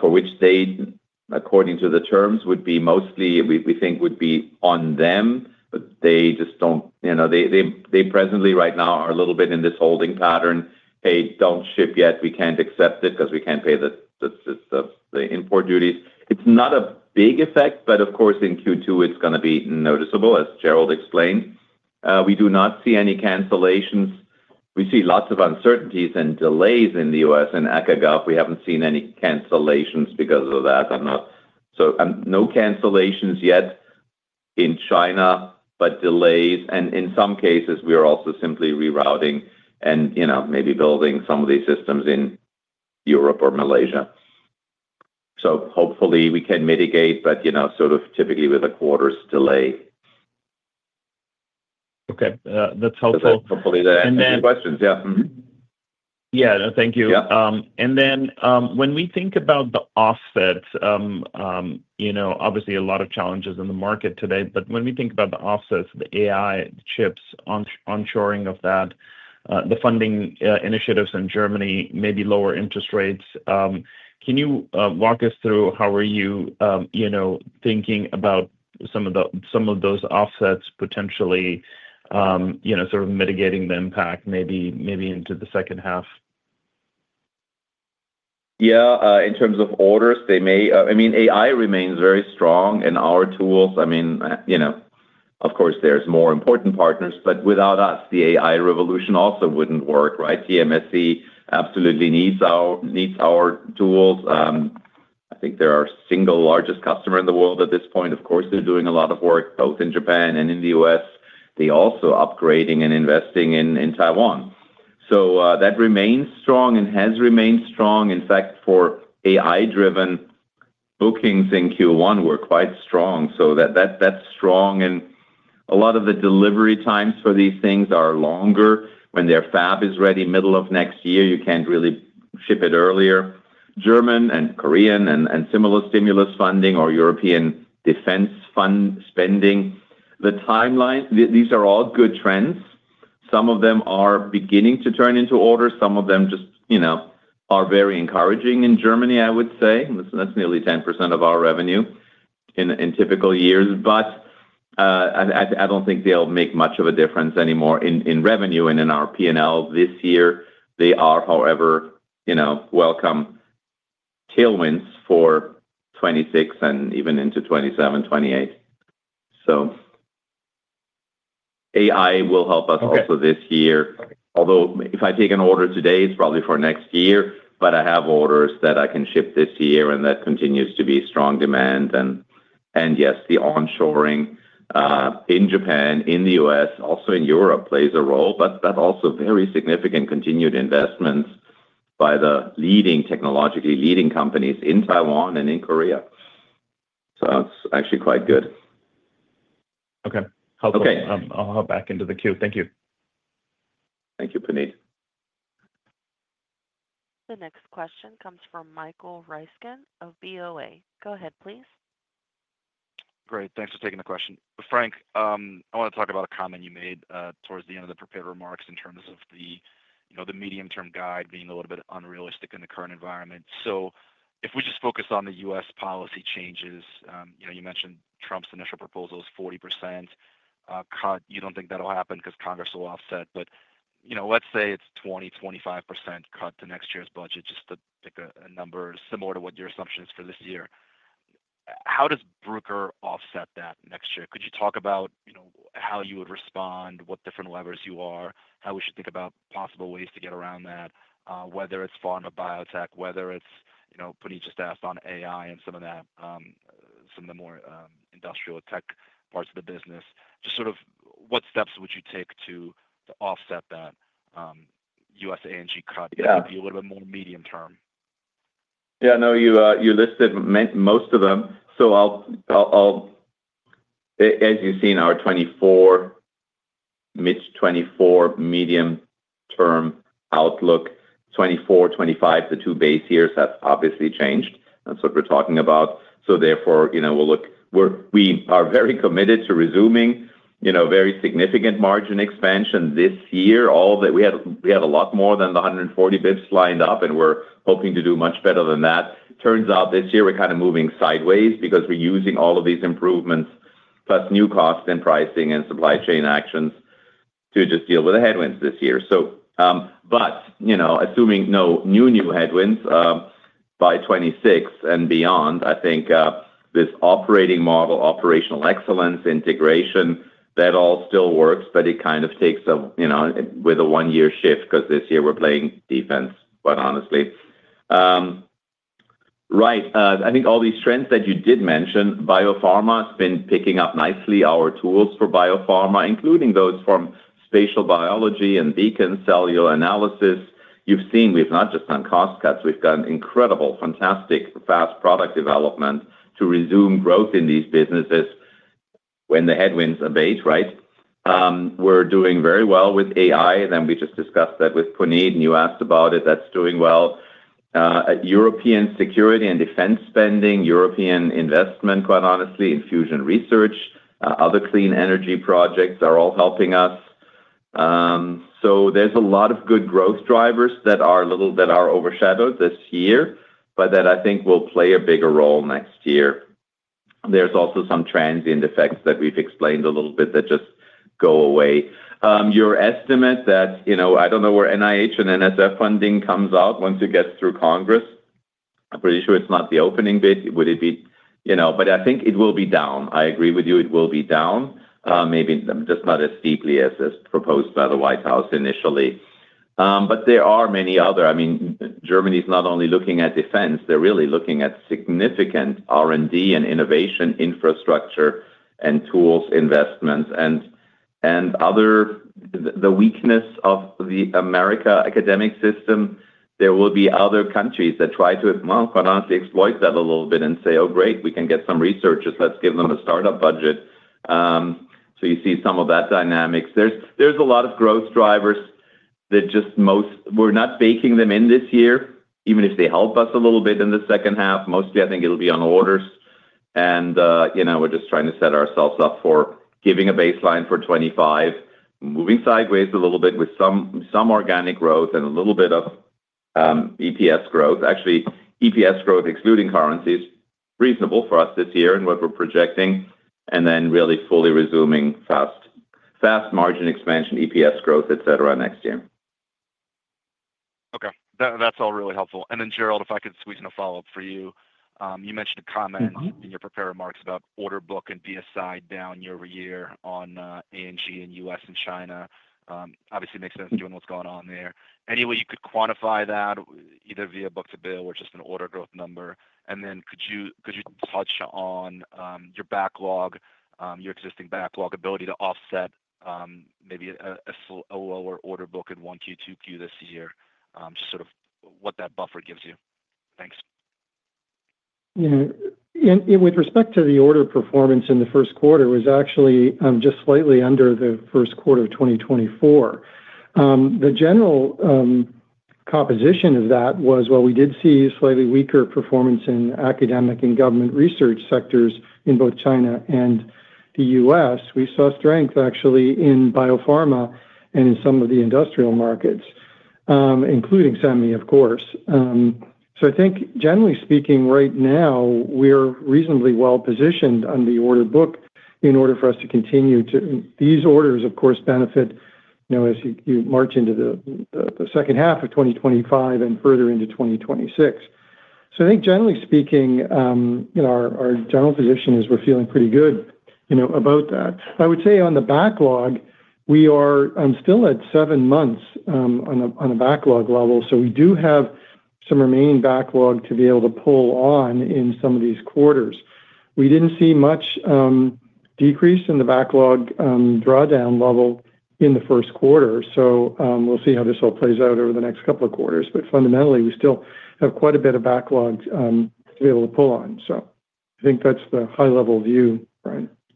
Speaker 3: for which they, according to the terms, would be mostly, we think, would be on them, but they just do not—they presently right now are a little bit in this holding pattern. Hey, do not ship yet. We cannot accept it because we cannot pay the import duties. It is not a big effect, but of course, in Q2, it is going to be noticeable, as Gerald explained. We do not see any cancellations. We see lots of uncertainties and delays in the U.S. and ACA/GOV. We have not seen any cancellations because of that. No cancellations yet in China, but delays. In some cases, we are also simply rerouting and maybe building some of these systems in Europe or Malaysia. Hopefully, we can mitigate, but typically with a quarter's delay.
Speaker 5: Okay, that is helpful.
Speaker 3: Hopefully, that answers your questions. Yeah.
Speaker 5: Yeah, thank you. When we think about the offsets, obviously a lot of challenges in the market today, but when we think about the offsets, the AI chips, on shoring of that, the funding initiatives in Germany, maybe lower interest rates, can you walk us through how you are thinking about some of those offsets potentially sort of mitigating the impact maybe into the second half?
Speaker 3: In terms of orders, they may—I mean, AI remains very strong in our tools. I mean, of course, there are more important partners, but without us, the AI revolution also would not work, right? TSMC absolutely needs our tools. I think they are our single largest customer in the world at this point. Of course, they are doing a lot of work both in Japan and in the U.S. They are also upgrading and investing in Taiwan. That remains strong and has remained strong. In fact, for AI-driven bookings in Q1, we are quite strong. That is strong. A lot of the delivery times for these things are longer. When their fab is ready middle of next year, you cannot really ship it earlier. German and Korean and similar stimulus funding or European defense fund spending, these are all good trends. Some of them are beginning to turn into orders. Some of them just are very encouraging in Germany, I would say. That is nearly 10% of our revenue in typical years. I do not think they will make much of a difference anymore in revenue and in our P&L this year. They are, however, welcome tailwinds for 2026 and even into 2027, 2028. AI will help us also this year. Although if I take an order today, it's probably for next year, but I have orders that I can ship this year, and that continues to be strong demand. Yes, the on shoring in Japan, in the U.S., also in Europe plays a role, but that's also very significant continued investments by the leading technologically leading companies in Taiwan and in Korea. It's actually quite good.
Speaker 5: Okay, helpful. I'll hop back into the queue. Thank you.
Speaker 3: Thank you, Puneet.
Speaker 1: The next question comes from Michael Ryskin of BoA. Go ahead, please.
Speaker 6: Great. Thanks for taking the question. Frank, I want to talk about a comment you made towards the end of the prepared remarks in terms of the medium-term guide being a little bit unrealistic in the current environment. If we just focus on the U.S. policy changes, you mentioned Trump's initial proposal is 40%. You do not think that will happen because Congress will offset, but let's say it is 20%-25% cut to next year's budget, just to pick a number similar to what your assumption is for this year. How does Bruker offset that next year? Could you talk about how you would respond, what different levers you are, how we should think about possible ways to get around that, whether it is pharma biotech, whether it is Puneet just asked on AI and some of the more industrial tech parts of the business? Just sort of at steps would you take to offset that U.S. A&G cut? It could be a little bit more medium term?
Speaker 3: Yeah, no, you listed most of them. As you have seen, our 2024, mid-2024, medium-term outlook, 2024, 2025, the two base years, that is obviously changed. That is what we are talking about. Therefore, we are very committed to resuming very significant margin expansion this year. We had a lot more than the 140 basis points lined up, and we're hoping to do much better than that. Turns out this year, we're kind of moving sideways because we're using all of these improvements plus new costs and pricing and supply chain actions to just deal with the headwinds this year. Assuming no new headwinds by 2026 and beyond, I think this operating model, operational excellence integration, that all still works, but it kind of takes with a one-year shift because this year we're playing defense, quite honestly. Right. I think all these trends that you did mention, biopharma has been picking up nicely our tools for biopharma, including those from spatial biology and Beacon cellular analysis. You've seen we've not just done cost cuts. We've done incredible, fantastic, fast product development to resume growth in these businesses when the headwinds abate, right? We're doing very well with AI. We just discussed that with Puneet, and you asked about it. That's doing well. European security and defense spending, European investment, quite honestly, infusion research, other clean energy projects are all helping us. There are a lot of good growth drivers that are overshadowed this year, but that I think will play a bigger role next year. There are also some transient effects that we've explained a little bit that just go away. Your estimate that I don't know where NIH and NSF funding comes out once it gets through Congress. I'm pretty sure it's not the opening bid. Would it be? I think it will be down. I agree with you. It will be down. Maybe just not as deeply as proposed by the White House initially. There are many other. I mean, Germany's not only looking at defense. They're really looking at significant R&D and innovation infrastructure and tools investments and other the weakness of the U.S. academic system. There will be other countries that try to, quite honestly, exploit that a little bit and say, "Oh, great. We can get some researchers. Let's give them a startup budget." You see some of that dynamic. There are a lot of growth drivers that just most we're not baking them in this year, even if they help us a little bit in the second half. Mostly, I think it'll be on orders. We're just trying to set ourselves up for giving a baseline for 2025, moving sideways a little bit with some organic growth and a little bit of EPS growth. Actually, EPS growth, excluding currencies, reasonable for us this year and what we're projecting, and then really fully resuming fast margin expansion, EPS growth, etc., next year.
Speaker 6: Okay. That's all really helpful. Then, Gerald, if I could squeeze in a follow-up for you. You mentioned a comment in your prepared remarks about order book and BSI down year over year on A&G in U.S. and China. Obviously, makes sense given what's going on there. Any way you could quantify that, either via book to bill or just an order growth number? Then could you touch on your backlog, your existing backlog ability to offset maybe a lower order book in one Q, two Q this year, just sort of what that buffer gives you? Thanks.
Speaker 4: With respect to the order performance in the first quarter, it was actually just slightly under the first quarter of 2024. The general composition of that was, well, we did see slightly weaker performance in academic and government research sectors in both China and the U.S. We saw strength, actually, in biopharma and in some of the industrial markets, including SEMI, of course. I think, generally speaking, right now, we're reasonably well positioned on the order book in order for us to continue to these orders, of course, benefit as you march into the second half of 2025 and further into 2026. I think, generally speaking, our general position is we're feeling pretty good about that. I would say on the backlog, we are still at seven months on a backlog level. We do have some remaining backlog to be able to pull on in some of these quarters. We didn't see much decrease in the backlog drawdown level in the first quarter. We'll see how this all plays out over the next couple of quarters. Fundamentally, we still have quite a bit of backlog to be able to pull on. I think that's the high-level view,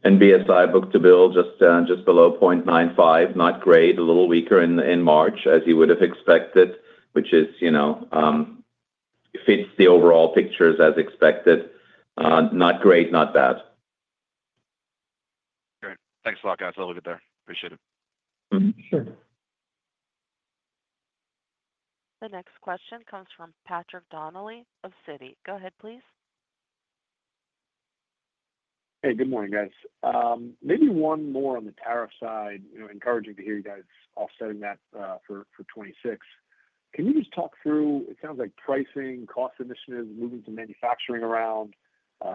Speaker 4: Frank?
Speaker 3: BSI book-to-bill just below 0.95, not great, a little weaker in March as you would have expected, which fits the overall picture as expected. Not great, not bad.
Speaker 6: Okay. Thanks a lot, guys. I'll leave it there. Appreciate it. Sure.
Speaker 1: The next question comes from Patrick Donnelly of Citi. Go ahead, please.
Speaker 7: Hey, good morning, guys. Maybe one more on the tariff side. Encouraging to hear you guys offsetting that for 2026. Can you just talk through, it sounds like pricing, cost initiatives, moving to manufacturing around,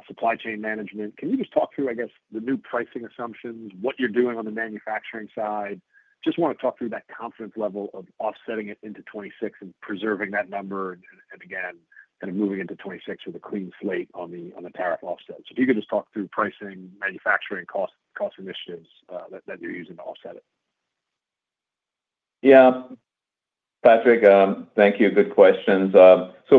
Speaker 7: supply chain management? Can you just talk through, I guess, the new pricing assumptions, what you're doing on the manufacturing side? Just want to talk through that confidence level of offsetting it into 2026 and preserving that number, and again, kind of moving into 2026 with a clean slate on the tariff offset. If you could just talk through pricing, manufacturing, cost initiatives that you're using to offset it?
Speaker 3: Yeah. Patrick, thank you. Good questions.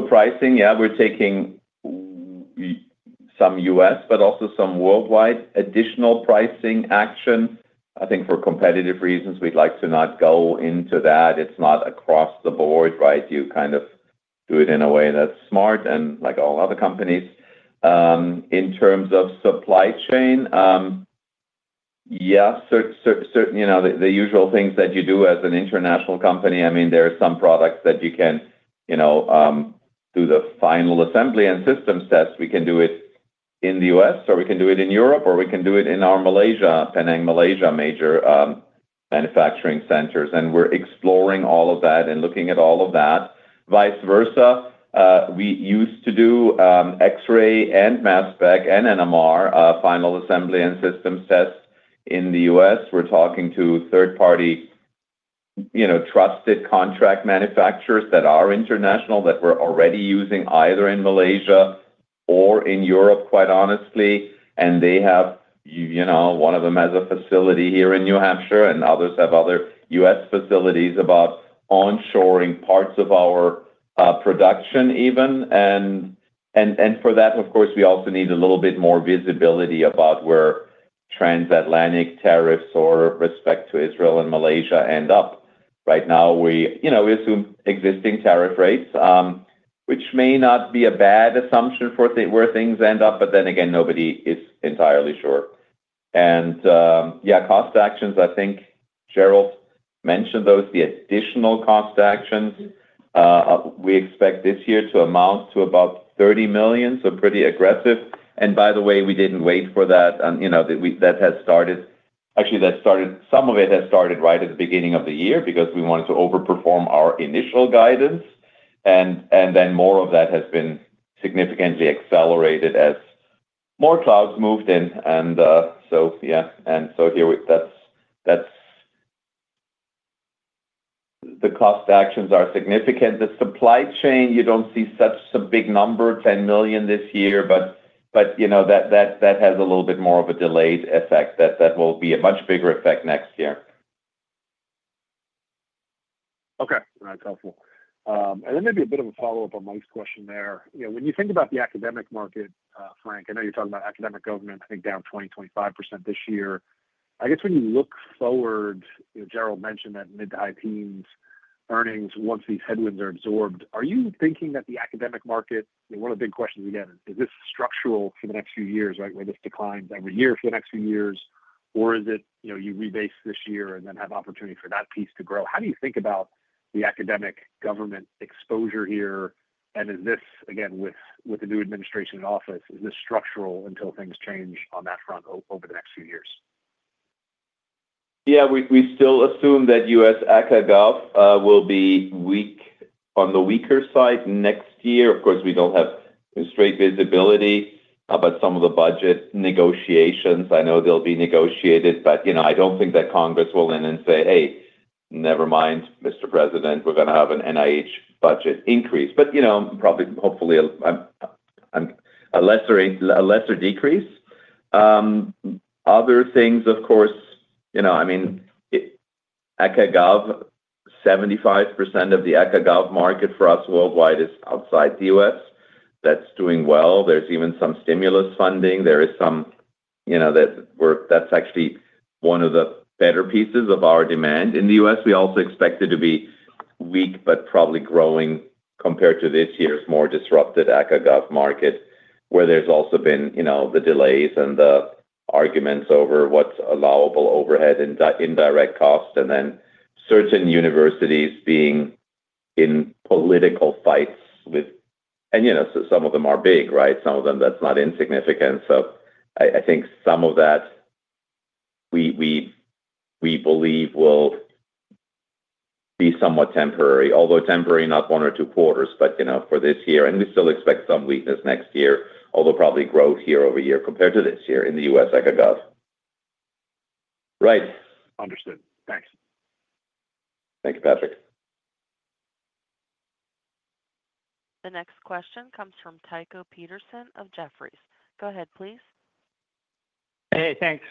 Speaker 3: Pricing, yeah, we're taking some U.S., but also some worldwide additional pricing action. I think for competitive reasons, we'd like to not go into that. It's not across the board, right? You kind of do it in a way that's smart and like all other companies. In terms of supply chain, yeah, certainly the usual things that you do as an international company. I mean, there are some products that you can do the final assembly and systems test. We can do it in the U.S., or we can do it in Europe, or we can do it in our Malaysia, Penang, Malaysia major manufacturing centers. We are exploring all of that and looking at all of that. Vice versa. We used to do X-ray and mass spec and NMR final assembly and systems tests in the U.S. We are talking to third-party trusted contract manufacturers that are international that we are already using either in Malaysia or in Europe, quite honestly. One of them has a facility here in New Hampshire, and others have other U.S. facilities about onshoring parts of our production even. For that, of course, we also need a little bit more visibility about where transatlantic tariffs or respect to Israel and Malaysia end up. Right now, we assume existing tariff rates, which may not be a bad assumption for where things end up, but then again, nobody is entirely sure. Yeah, cost actions, I think Gerald mentioned those, the additional cost actions. We expect this year to amount to about $30 million, so pretty aggressive. By the way, we did not wait for that. That has started actually, some of it has started right at the beginning of the year because we wanted to overperform our initial guidance. More of that has been significantly accelerated as more clouds moved in. Yeah. Here, the cost actions are significant. The supply chain, you do not see such a big number, $10 million this year, but that has a little bit more of a delayed effect. That will be a much bigger effect next year.
Speaker 7: Okay. That is helpful. Maybe a bit of a follow-up on Mike's question there. When you think about the academic market, Frank, I know you're talking about academic government, I think down 20-25% this year. I guess when you look forward, Gerald mentioned that mid-high teens earnings once these headwinds are absorbed. Are you thinking that the academic market, one of the big questions again, is this structural for the next few years, right, where this declines every year for the next few years, or is it you rebase this year and then have opportunity for that piece to grow? How do you think about the academic government exposure here? Is this, again, with the new administration in office, structural until things change on that front over the next few years?
Speaker 3: Yeah. We still assume that U.S. AC/GOV will be weak on the weaker side next year. Of course, we do not have straight visibility about some of the budget negotiations. I know they will be negotiated, but I do not think that Congress will in and say, "Hey, never mind, Mr. President, we are going to have an NIH budget increase." Probably, hopefully, a lesser decrease. Other things, of course, I mean, ACA/GOV, 75% of the ACA/GOV market for us worldwide is outside the U.S. That is doing well. There is even some stimulus funding. There is some that is actually one of the better pieces of our demand in the U.S. We also expect it to be weak, but probably growing compared to this year's more disrupted ACA/GOV market, where there's also been the delays and the arguments over what's allowable overhead and indirect costs, and then certain universities being in political fights with, and some of them are big, right? Some of them, that's not insignificant. I think some of that we believe will be somewhat temporary, although temporary, not one or two quarters, but for this year. We still expect some weakness next year, although probably growth year over year compared to this year in the U.S. ACA/GOV, right?
Speaker 7: Understood. Thanks.
Speaker 3: Thank you, Patrick.
Speaker 1: The next question comes from Tycho Peterson of Jefferies. Go ahead, please.
Speaker 8: Hey, thanks.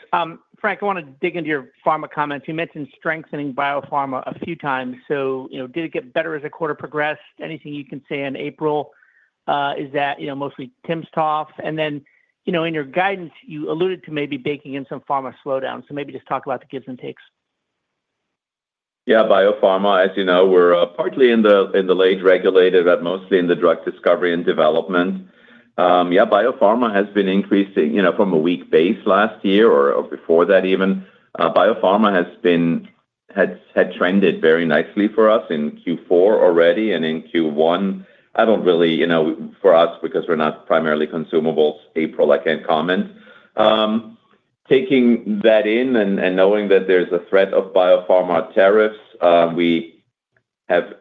Speaker 8: Frank, I want to dig into your pharma comments. You mentioned strengthening biopharma a few times. Did it get better as the quarter progressed? Anything you can say in April? Is that mostly timsTOF? And then in your guidance, you alluded to maybe baking in some pharma slowdowns. Maybe just talk about the give and takes.
Speaker 3: Yeah. Biopharma, as you know, we're partly in the late regulated, but mostly in the drug discovery and development. Yeah, biopharma has been increasing from a weak base last year or before that even. Biopharma has trended very nicely for us in Q4 already and in Q1. I don't really, for us, because we're not primarily consumables, April, I can't comment. Taking that in and knowing that there's a threat of biopharma tariffs, we have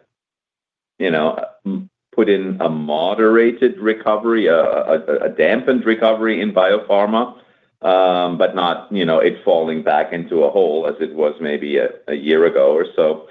Speaker 3: put in a moderated recovery, a dampened recovery in biopharma, but not it falling back into a hole as it was maybe a year ago or so.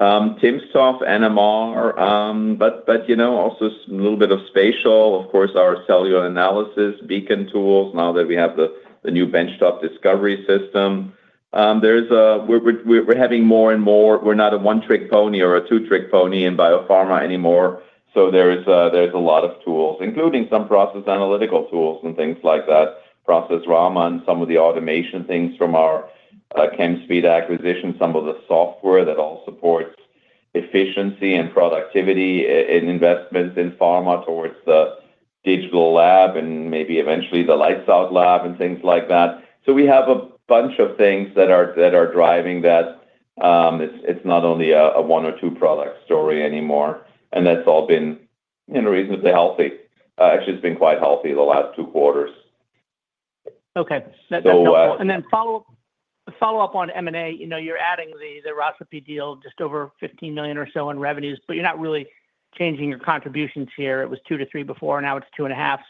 Speaker 3: timsTOF NMR, but also a little bit of spatial. Of course, our cellular analysis, Beacon tools, now that we have the new benchtop discovery system. We're having more and more. We're not a one-trick pony or a two-trick pony in biopharma anymore. There are a lot of tools, including some process analytical tools and things like that, process Raman and some of the automation things from our Chemspeed acquisition, some of the software that all supports efficiency and productivity and investments in pharma towards the digital lab and maybe eventually the lights-out lab and things like that. We have a bunch of things that are driving that. It's not only a one or two product story anymore. That's all been reasonably healthy. Actually, it's been quite healthy the last two quarters.
Speaker 8: Okay. That's helpful. Then follow-up on M&A, you're adding the RECIPE deal just over $15 million or so in revenues, but you're not really changing your contributions here. It was two to three before, and now it's two and a half.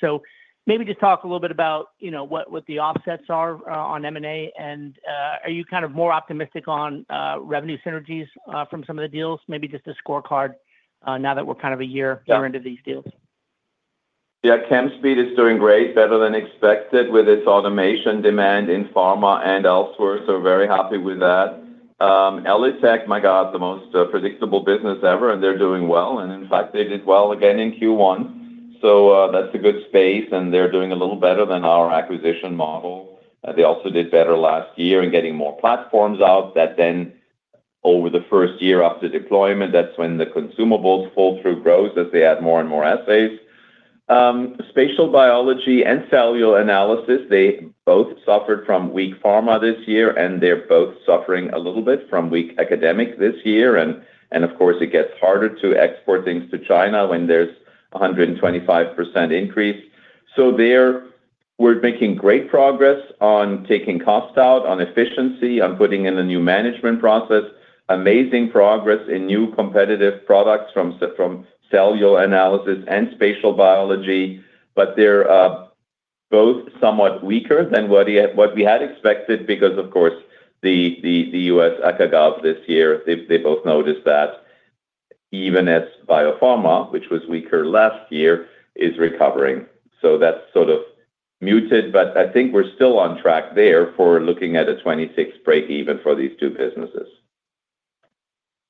Speaker 8: Maybe just talk a little bit about what the offsets are on M&A, and are you kind of more optimistic on revenue synergies from some of the deals, maybe just a scorecard now that we're kind of a year into these deals?
Speaker 3: Yeah. Chemspeed is doing great, better than expected with its automation demand in pharma and elsewhere. Very happy with that. ELItech, my God, the most predictable business ever, and they're doing well. In fact, they did well again in Q1. That's a good space, and they're doing a little better than our acquisition model. They also did better last year in getting more platforms out that then over the first year after deployment, that's when the consumables fall through growth as they add more and more assays. Spatial biology and cellular analysis, they both suffered from weak pharma this year, and they're both suffering a little bit from weak academic this year. Of course, it gets harder to export things to China when there's a 125% increase. We're making great progress on taking cost out, on efficiency, on putting in a new management process, amazing progress in new competitive products from cellular analysis and spatial biology, but they're both somewhat weaker than what we had expected because, of course, the U.S.ACA/GOV this year, they both noticed that even as biopharma, which was weaker last year, is recovering. That's sort of muted, but I think we're still on track there for looking at a 2026 break even for these two businesses.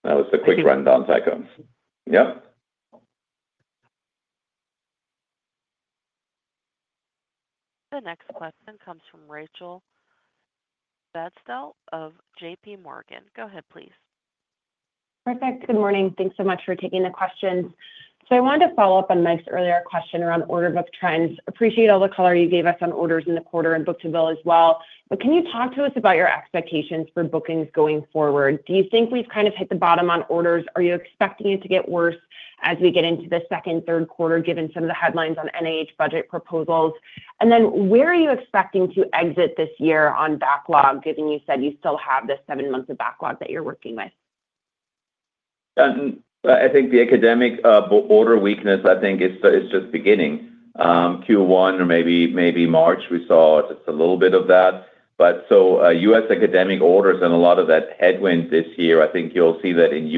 Speaker 3: That was a quick run down, ACA/GOV. Yep. The next question comes from Rachel Vatnsdal of JPMorgan. Go ahead, please.
Speaker 9: Perfect. Good morning. Thanks so much for taking the questions. I wanted to follow up on Mike's earlier question around order book trends. Appreciate all the color you gave us on orders in the quarter and book-to-bill as well. Can you talk to us about your expectations for bookings going forward? Do you think we've kind of hit the bottom on orders? Are you expecting it to get worse as we get into the second, third quarter, given some of the headlines on NIH budget proposals? Where are you expecting to exit this year on backlog, given you said you still have the seven months of backlog that you're working with?
Speaker 3: I think the academic order weakness, I think, is just beginning. Q1 or maybe March, we saw just a little bit of that. U.S. academic orders and a lot of that headwind this year, I think you'll see that in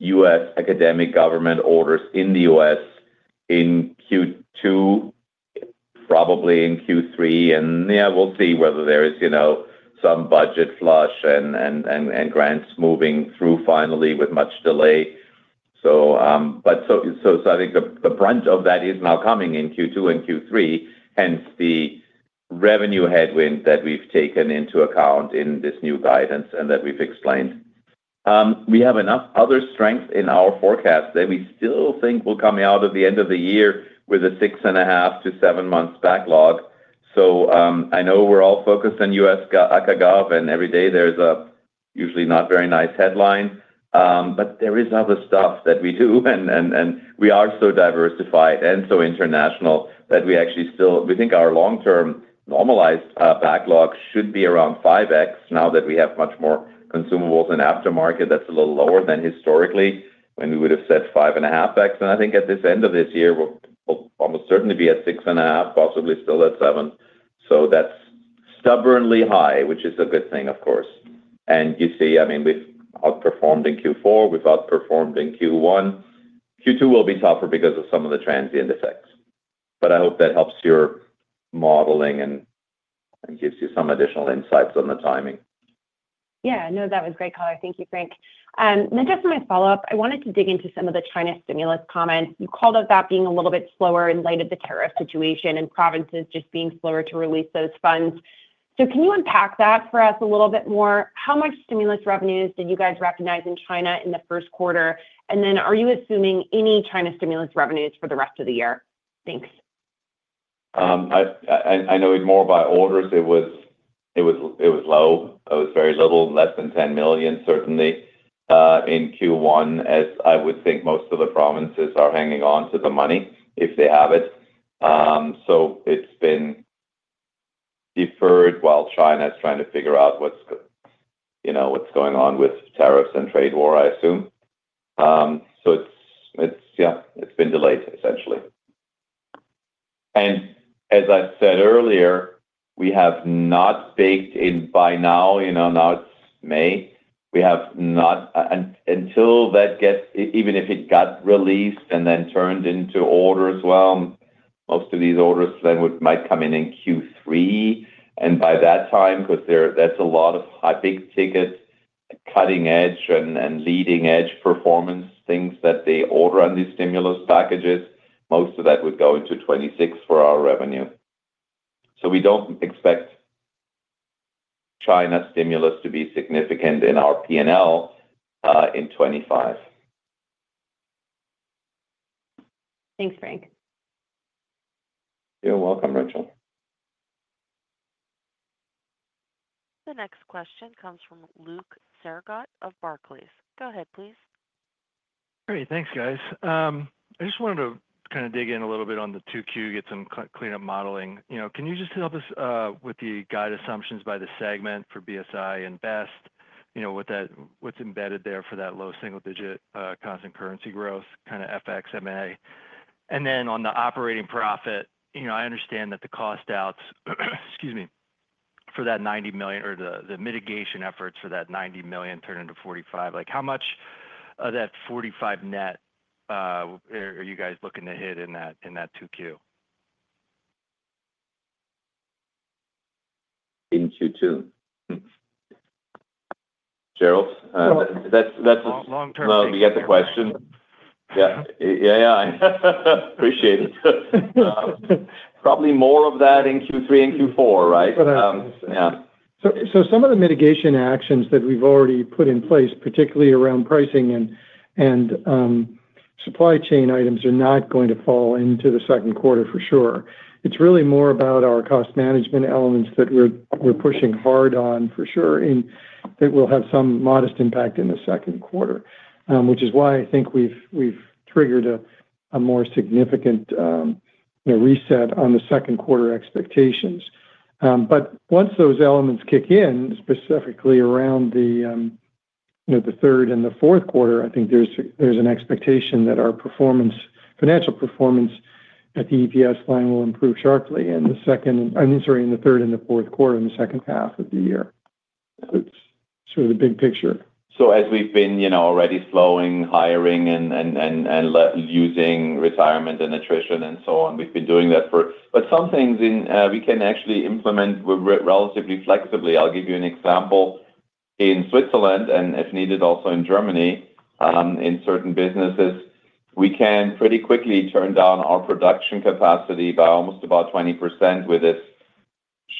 Speaker 3: weak U.S. academic government orders in the U.S. in Q2, probably in Q3. We'll see whether there is some budget flush and grants moving through finally with much delay. I think the brunt of that is now coming in Q2 and Q3, hence the revenue headwind that we've taken into account in this new guidance and that we've explained. We have enough other strength in our forecast that we still think we'll come out at the end of the year with a 6.5-7 months backlog. I know we're all focused on U.S. ACA/GOV, and every day there's a usually not very nice headline, but there is other stuff that we do. We are so diversified and so international that we actually still, we think our long-term normalized backlog should be around 5x now that we have much more consumables and aftermarket that's a little lower than historically when we would have said 5.5x. I think at this end of this year, we'll almost certainly be at 6.5, possibly still at 7. That's stubbornly high, which is a good thing, of course. You see, I mean, we've outperformed in Q4. We've outperformed in Q1. Q2 will be tougher because of some of the transient effects. I hope that helps your modeling and gives you some additional insights on the timing.
Speaker 9: Yeah. No, that was great color. Thank you, Frank. Just my follow-up, I wanted to dig into some of the China stimulus comments. You called out that being a little bit slower in light of the tariff situation and provinces just being slower to release those funds. Can you unpack that for us a little bit more? How much stimulus revenues did you guys recognize in China in the first quarter? Are you assuming any China stimulus revenues for the rest of the year? Thanks.
Speaker 3: I know more by orders, it was low. It was very little, less than $10 million, certainly in Q1, as I would think most of the provinces are hanging on to the money if they have it. It has been deferred while China is trying to figure out what's going on with tariffs and trade war, I assume. Yeah, it has been delayed, essentially. As I said earlier, we have not baked in by now, now it's May, we have not until that gets, even if it got released and then turned into orders, most of these orders then might come in in Q3. By that time, because that's a lot of high big ticket cutting edge and leading edge performance things that they order on these stimulus packages, most of that would go into 2026 for our revenue. We do not expect China stimulus to be significant in our P&L in 2025.
Speaker 9: Thanks, Frank.
Speaker 3: You're welcome, Rachel.
Speaker 1: The next question comes from Luke Sergott of Barclays. Go ahead, please.
Speaker 10: All right. Thanks, guys. I just wanted to kind of dig in a little bit on the 2Q, get some cleanup modeling. Can you just help us with the guide assumptions by the segment for BSI and BEST, what's embedded there for that low single-digit constant currency growth, kind of FX, M&A? And then on the operating profit, I understand that the cost outs, excuse me, for that $90 million or the mitigation efforts for that $90 million turned into $45 million. How much of that $45 million net are you guys looking to hit in that 2Q?
Speaker 3: In Q2. Gerald?
Speaker 4: That's a long-term thing.
Speaker 3: You get the question. Yeah. Yeah. Yeah. I appreciate it. Probably more of that in Q3 and Q4, right? Yeah.
Speaker 4: Some of the mitigation actions that we've already put in place, particularly around pricing and supply chain items, are not going to fall into the second quarter for sure. It's really more about our cost management elements that we're pushing hard on for sure that will have some modest impact in the second quarter, which is why I think we've triggered a more significant reset on the second quarter expectations. Once those elements kick in, specifically around the third and the fourth quarter, I think there's an expectation that our performance, financial performance at the EPS line will improve sharply in the second, I mean, sorry, in the third and the fourth quarter in the second half of the year. It's sort of the big picture.
Speaker 3: As we've been already slowing hiring and using retirement and attrition and so on, we've been doing that for. Some things we can actually implement relatively flexibly. I'll give you an example. In Switzerland and, if needed, also in Germany, in certain businesses, we can pretty quickly turn down our production capacity by almost about 20% with this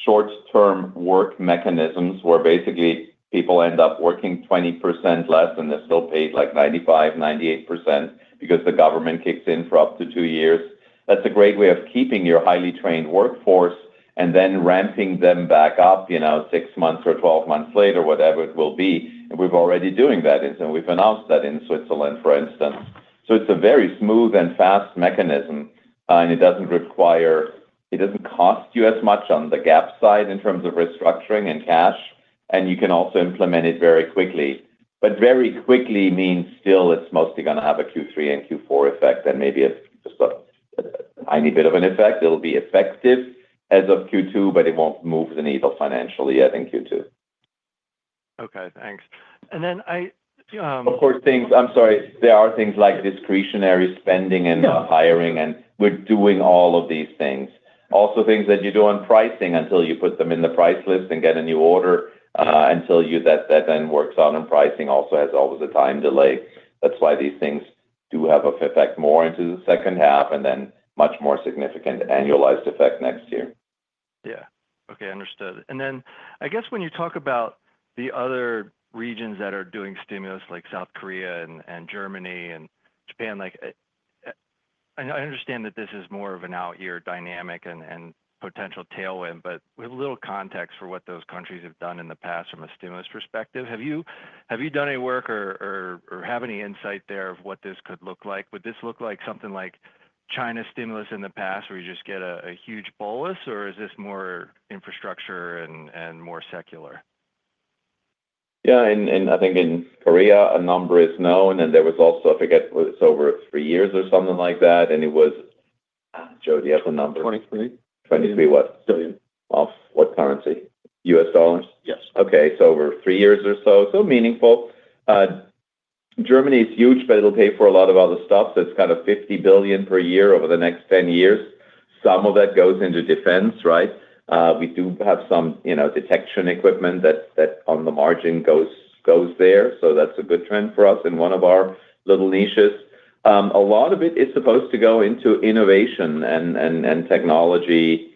Speaker 3: short-term work mechanism where basically people end up working 20% less and they're still paid like 95%-98% because the government kicks in for up to two years. That's a great way of keeping your highly trained workforce and then ramping them back up six months or 12 months later, whatever it will be. We've already been doing that. We've announced that in Switzerland, for instance. It's a very smooth and fast mechanism, and it doesn't require, it doesn't cost you as much on the GAAP side in terms of restructuring and cash. You can also implement it very quickly. Very quickly means still it is mostly going to have a Q3 and Q4 effect, and maybe it is just a tiny bit of an effect. It will be effective as of Q2, but it will not move the needle financially yet in Q2.
Speaker 10: Okay. Thanks. I—
Speaker 3: Of course, things, I am sorry, there are things like discretionary spending and hiring, and we are doing all of these things. Also, things that you do on pricing, until you put them in the price list and get a new order, until that then works out on pricing, also has always a time delay. That is why these things do have an effect more into the second half and then a much more significant annualized effect next year.
Speaker 10: Yeah. Okay. Understood. I guess when you talk about the other regions that are doing stimulus like South Korea and Germany and Japan, I understand that this is more of an out-year dynamic and potential tailwind, but with a little context for what those countries have done in the past from a stimulus perspective, have you done any work or have any insight there of what this could look like? Would this look like something like China stimulus in the past where you just get a huge bolus, or is this more infrastructure and more secular?
Speaker 3: Yeah. I think in Korea, a number is known, and there was also, I forget, it is over three years or something like that, and it was, Joe, do you have the number?
Speaker 2: 23.
Speaker 3: 23 what? Billion. Of what currency? U.S. dollars?
Speaker 2: Yes.
Speaker 3: Okay. Over three years or so, so meaningful. Germany is huge, but it'll pay for a lot of other stuff. It is kind of $50 billion per year over the next 10 years. Some of that goes into defense, right? We do have some detection equipment that on the margin goes there. That is a good trend for us in one of our little niches. A lot of it is supposed to go into innovation and technology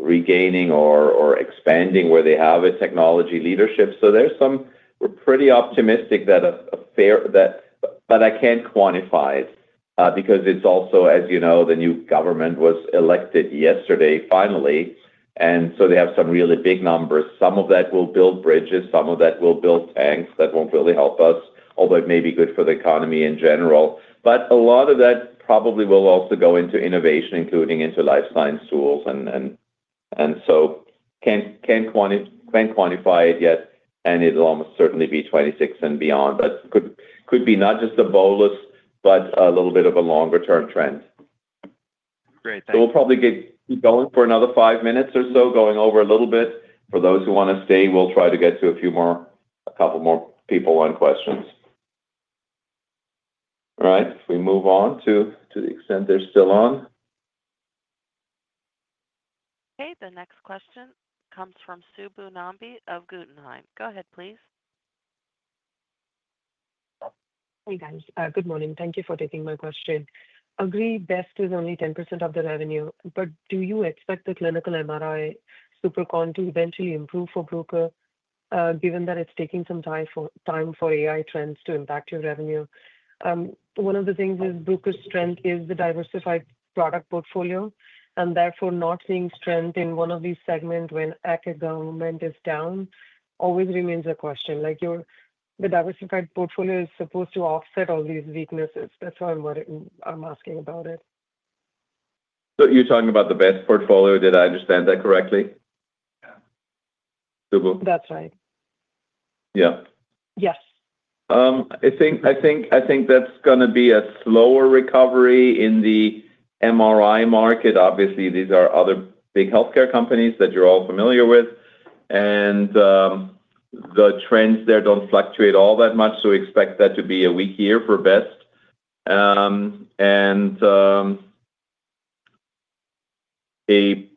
Speaker 3: regaining or expanding where they have a technology leadership. There is some, we are pretty optimistic that a fair, but I cannot quantify it because it is also, as you know, the new government was elected yesterday finally. They have some really big numbers. Some of that will build bridges. Some of that will build tanks that will not really help us, although it may be good for the economy in general. But a lot of that probably will also go into innovation, including into life science tools. I cannot quantify it yet, and it will almost certainly be 2026 and beyond, but could be not just a bolus, but a little bit of a longer-term trend.
Speaker 10: Great. Thanks.
Speaker 3: We will probably keep going for another five minutes or so, going over a little bit. For those who want to stay, we will try to get to a few more, a couple more people on questions. All right. If we move on to the extent they are still on.
Speaker 1: Okay. The next question comes from Subbu Nambi of Guggenheim. Go ahead, please.
Speaker 11: Hey, guys. Good morning. Thank you for taking my question. Agree, BEST is only 10% of the revenue, but do you expect the clinical MRI supercon to eventually improve for Bruker, given that it's taking some time for AI trends to impact your revenue? One of the things is Bruker's strength is the diversified product portfolio, and therefore not seeing strength in one of these segments when aca government is down always remains a question. The diversified portfolio is supposed to offset all these weaknesses. That's why I'm asking about it.
Speaker 3: You are talking about the BEST portfolio. Did I understand that correctly?
Speaker 11: Yeah. That's right.
Speaker 3: Yeah.
Speaker 11: Yes.
Speaker 3: I think that's going to be a slower recovery in the MRI market. Obviously, these are other big healthcare companies that you're all familiar with. The trends there don't fluctuate all that much, so we expect that to be a weak year for BEST. A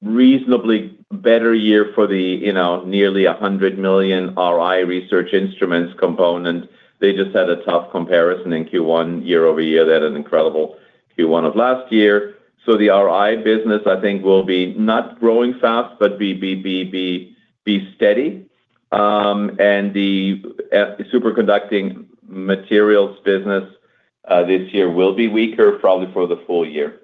Speaker 3: reasonably better year for the nearly $100 million RI research instruments component. They just had a tough comparison in Q1 year over year. They had an incredible Q1 of last year. The ROI business, I think, will be not growing fast, but be steady. The superconducting materials business this year will be weaker, probably for the full year,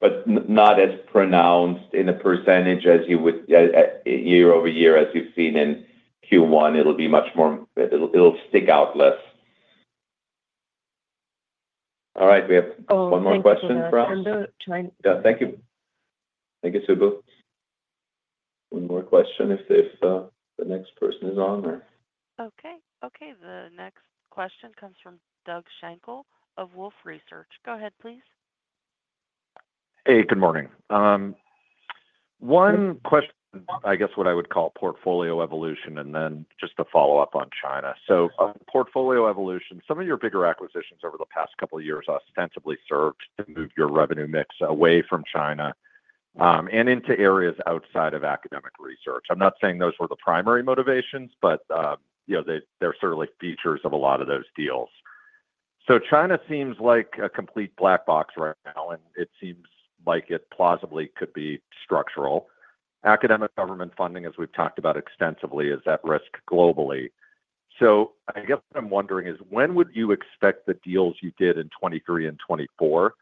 Speaker 3: but not as pronounced in a percentage year over year as you've seen in Q1. It'll be much more, it'll stick out less. All right. We have one more question for us. Yeah. Thank you. Thank you, Subbu. One more question if the next person is on or.
Speaker 1: Okay. Okay. The next question comes from Doug Schenkel of Wolfe Research. Go ahead, please.
Speaker 12: Hey, good morning. One question, I guess what I would call portfolio evolution, and then just a follow-up on China. Portfolio evolution, some of your bigger acquisitions over the past couple of years ostensibly served to move your revenue mix away from China and into areas outside of academic research. I'm not saying those were the primary motivations, but they're certainly features of a lot of those deals. China seems like a complete black box right now, and it seems like it plausibly could be structural. Academic government funding, as we've talked about extensively, is at risk globally. I guess what I'm wondering is, when would you expect the deals you did in 2023 and 2024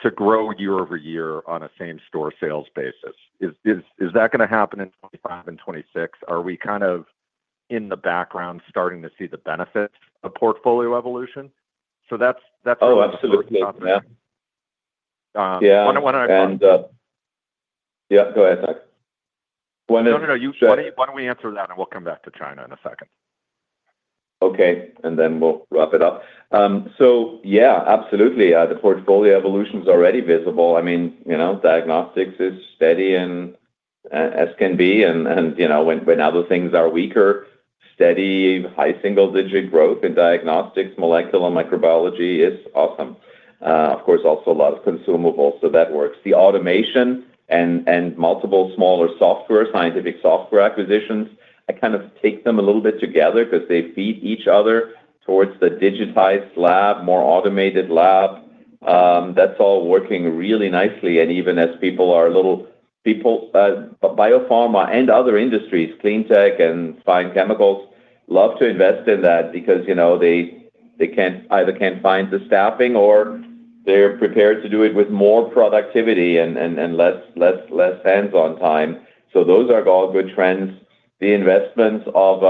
Speaker 12: to grow year over year on a same-store sales basis? Is that going to happen in 2025 and 2026? Are we kind of in the background starting to see the benefits of portfolio evolution? That's what I'm wondering.
Speaker 3: Oh, absolutely. Yeah. Yeah, go ahead.
Speaker 12: No, no, no. Why do not we answer that, and we will come back to China in a second?
Speaker 3: Okay. Then we will wrap it up. Yeah, absolutely. The portfolio evolution is already visible. I mean, diagnostics is steady as can be. When other things are weaker, steady, high single-digit growth in diagnostics, molecular microbiology is awesome. Of course, also a lot of consumables, so that works. The automation and multiple smaller software, scientific software acquisitions, I kind of take them a little bit together because they feed each other towards the digitized lab, more automated lab. That is all working really nicely. Even as people are a little biopharma and other industries, cleantech and fine chemicals love to invest in that because they either cannot find the staffing or they are prepared to do it with more productivity and less hands-on time. Those are all good trends. The investments of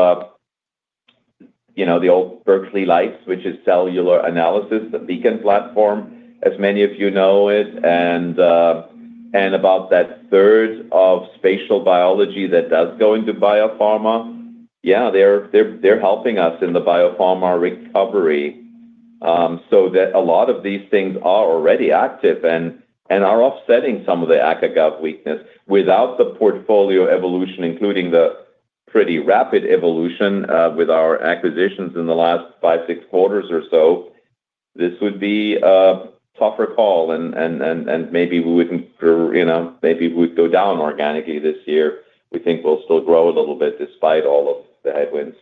Speaker 3: the old Berkeley Lights, which is cellular analysis, the Beacon platform, as many of you know it. And about that third of spatial biology that does go into biopharma, yeah, they're helping us in the biopharma recovery. So a lot of these things are already active and are offsetting some of the ACA/GOV weakness. Without the portfolio evolution, including the pretty rapid evolution with our acquisitions in the last five, six quarters or so, this would be a tougher call. Maybe we would not, maybe we would go down organically this year. We think we will still grow a little bit despite all of the headwinds.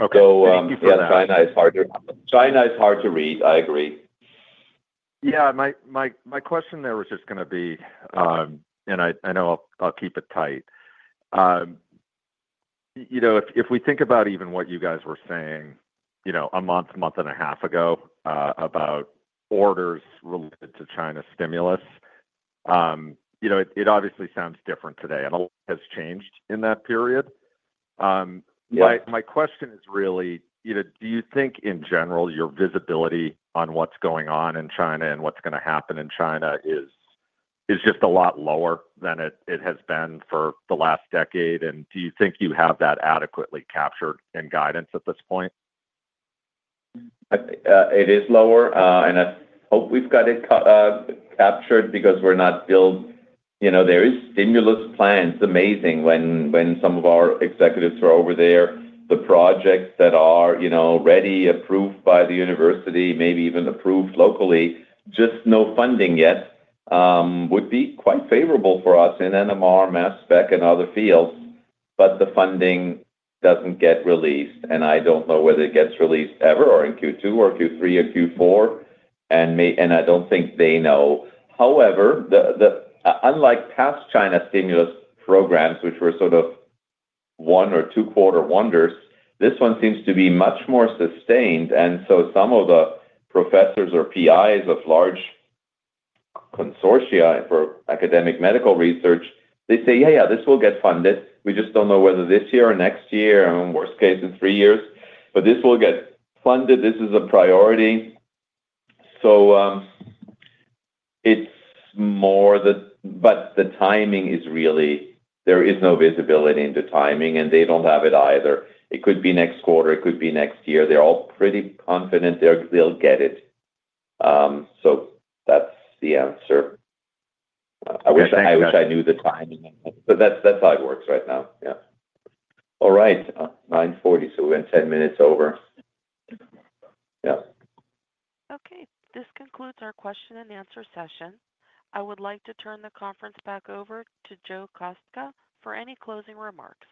Speaker 3: Okay. Thank you for that. Yeah. China is hard to read. I agree.
Speaker 12: My question there was just going to be, and I know I will keep it tight. If we think about even what you guys were saying a month, month and a half ago about orders related to China stimulus, it obviously sounds different today, and a lot has changed in that period. My question is really, do you think in general your visibility on what's going on in China and what's going to happen in China is just a lot lower than it has been for the last decade? Do you think you have that adequately captured in guidance at this point?
Speaker 3: It is lower, and I hope we've got it captured because we're not still, there is stimulus plans. It's amazing when some of our executives are over there, the projects that are ready, approved by the university, maybe even approved locally, just no funding yet, would be quite favorable for us in NMR, mass spec, and other fields. The funding does not get released, and I do not know whether it gets released ever or in Q2 or Q3 or Q4, and I do not think they know. However, unlike past China stimulus programs, which were sort of one or two-quarter wonders, this one seems to be much more sustained. Some of the professors or PIs of large consortia for academic medical research say, "Yeah, yeah, this will get funded. We just do not know whether this year or next year, or in worst case in three years, but this will get funded. This is a priority." It is more the timing, but the timing is really, there is no visibility into timing, and they do not have it either. It could be next quarter. It could be next year. They are all pretty confident they will get it. That is the answer. I wish I knew the time. That is how it works right now. Yeah. All right. 9:40, so we are 10 minutes over. Yeah.
Speaker 1: Okay. This concludes our question and answer session. I would like to turn the conference back over to Joe Kostka for any closing remarks.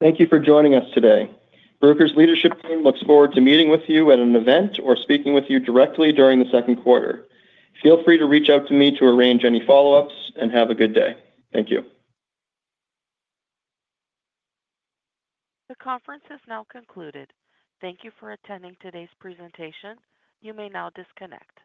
Speaker 2: Thank you for joining us today. Bruker's leadership team looks forward to meeting with you at an event or speaking with you directly during the second quarter. Feel free to reach out to me to arrange any follow-ups, and have a good day. Thank you. The conference is now concluded. Thank you for attending today's presentation. You may now disconnect.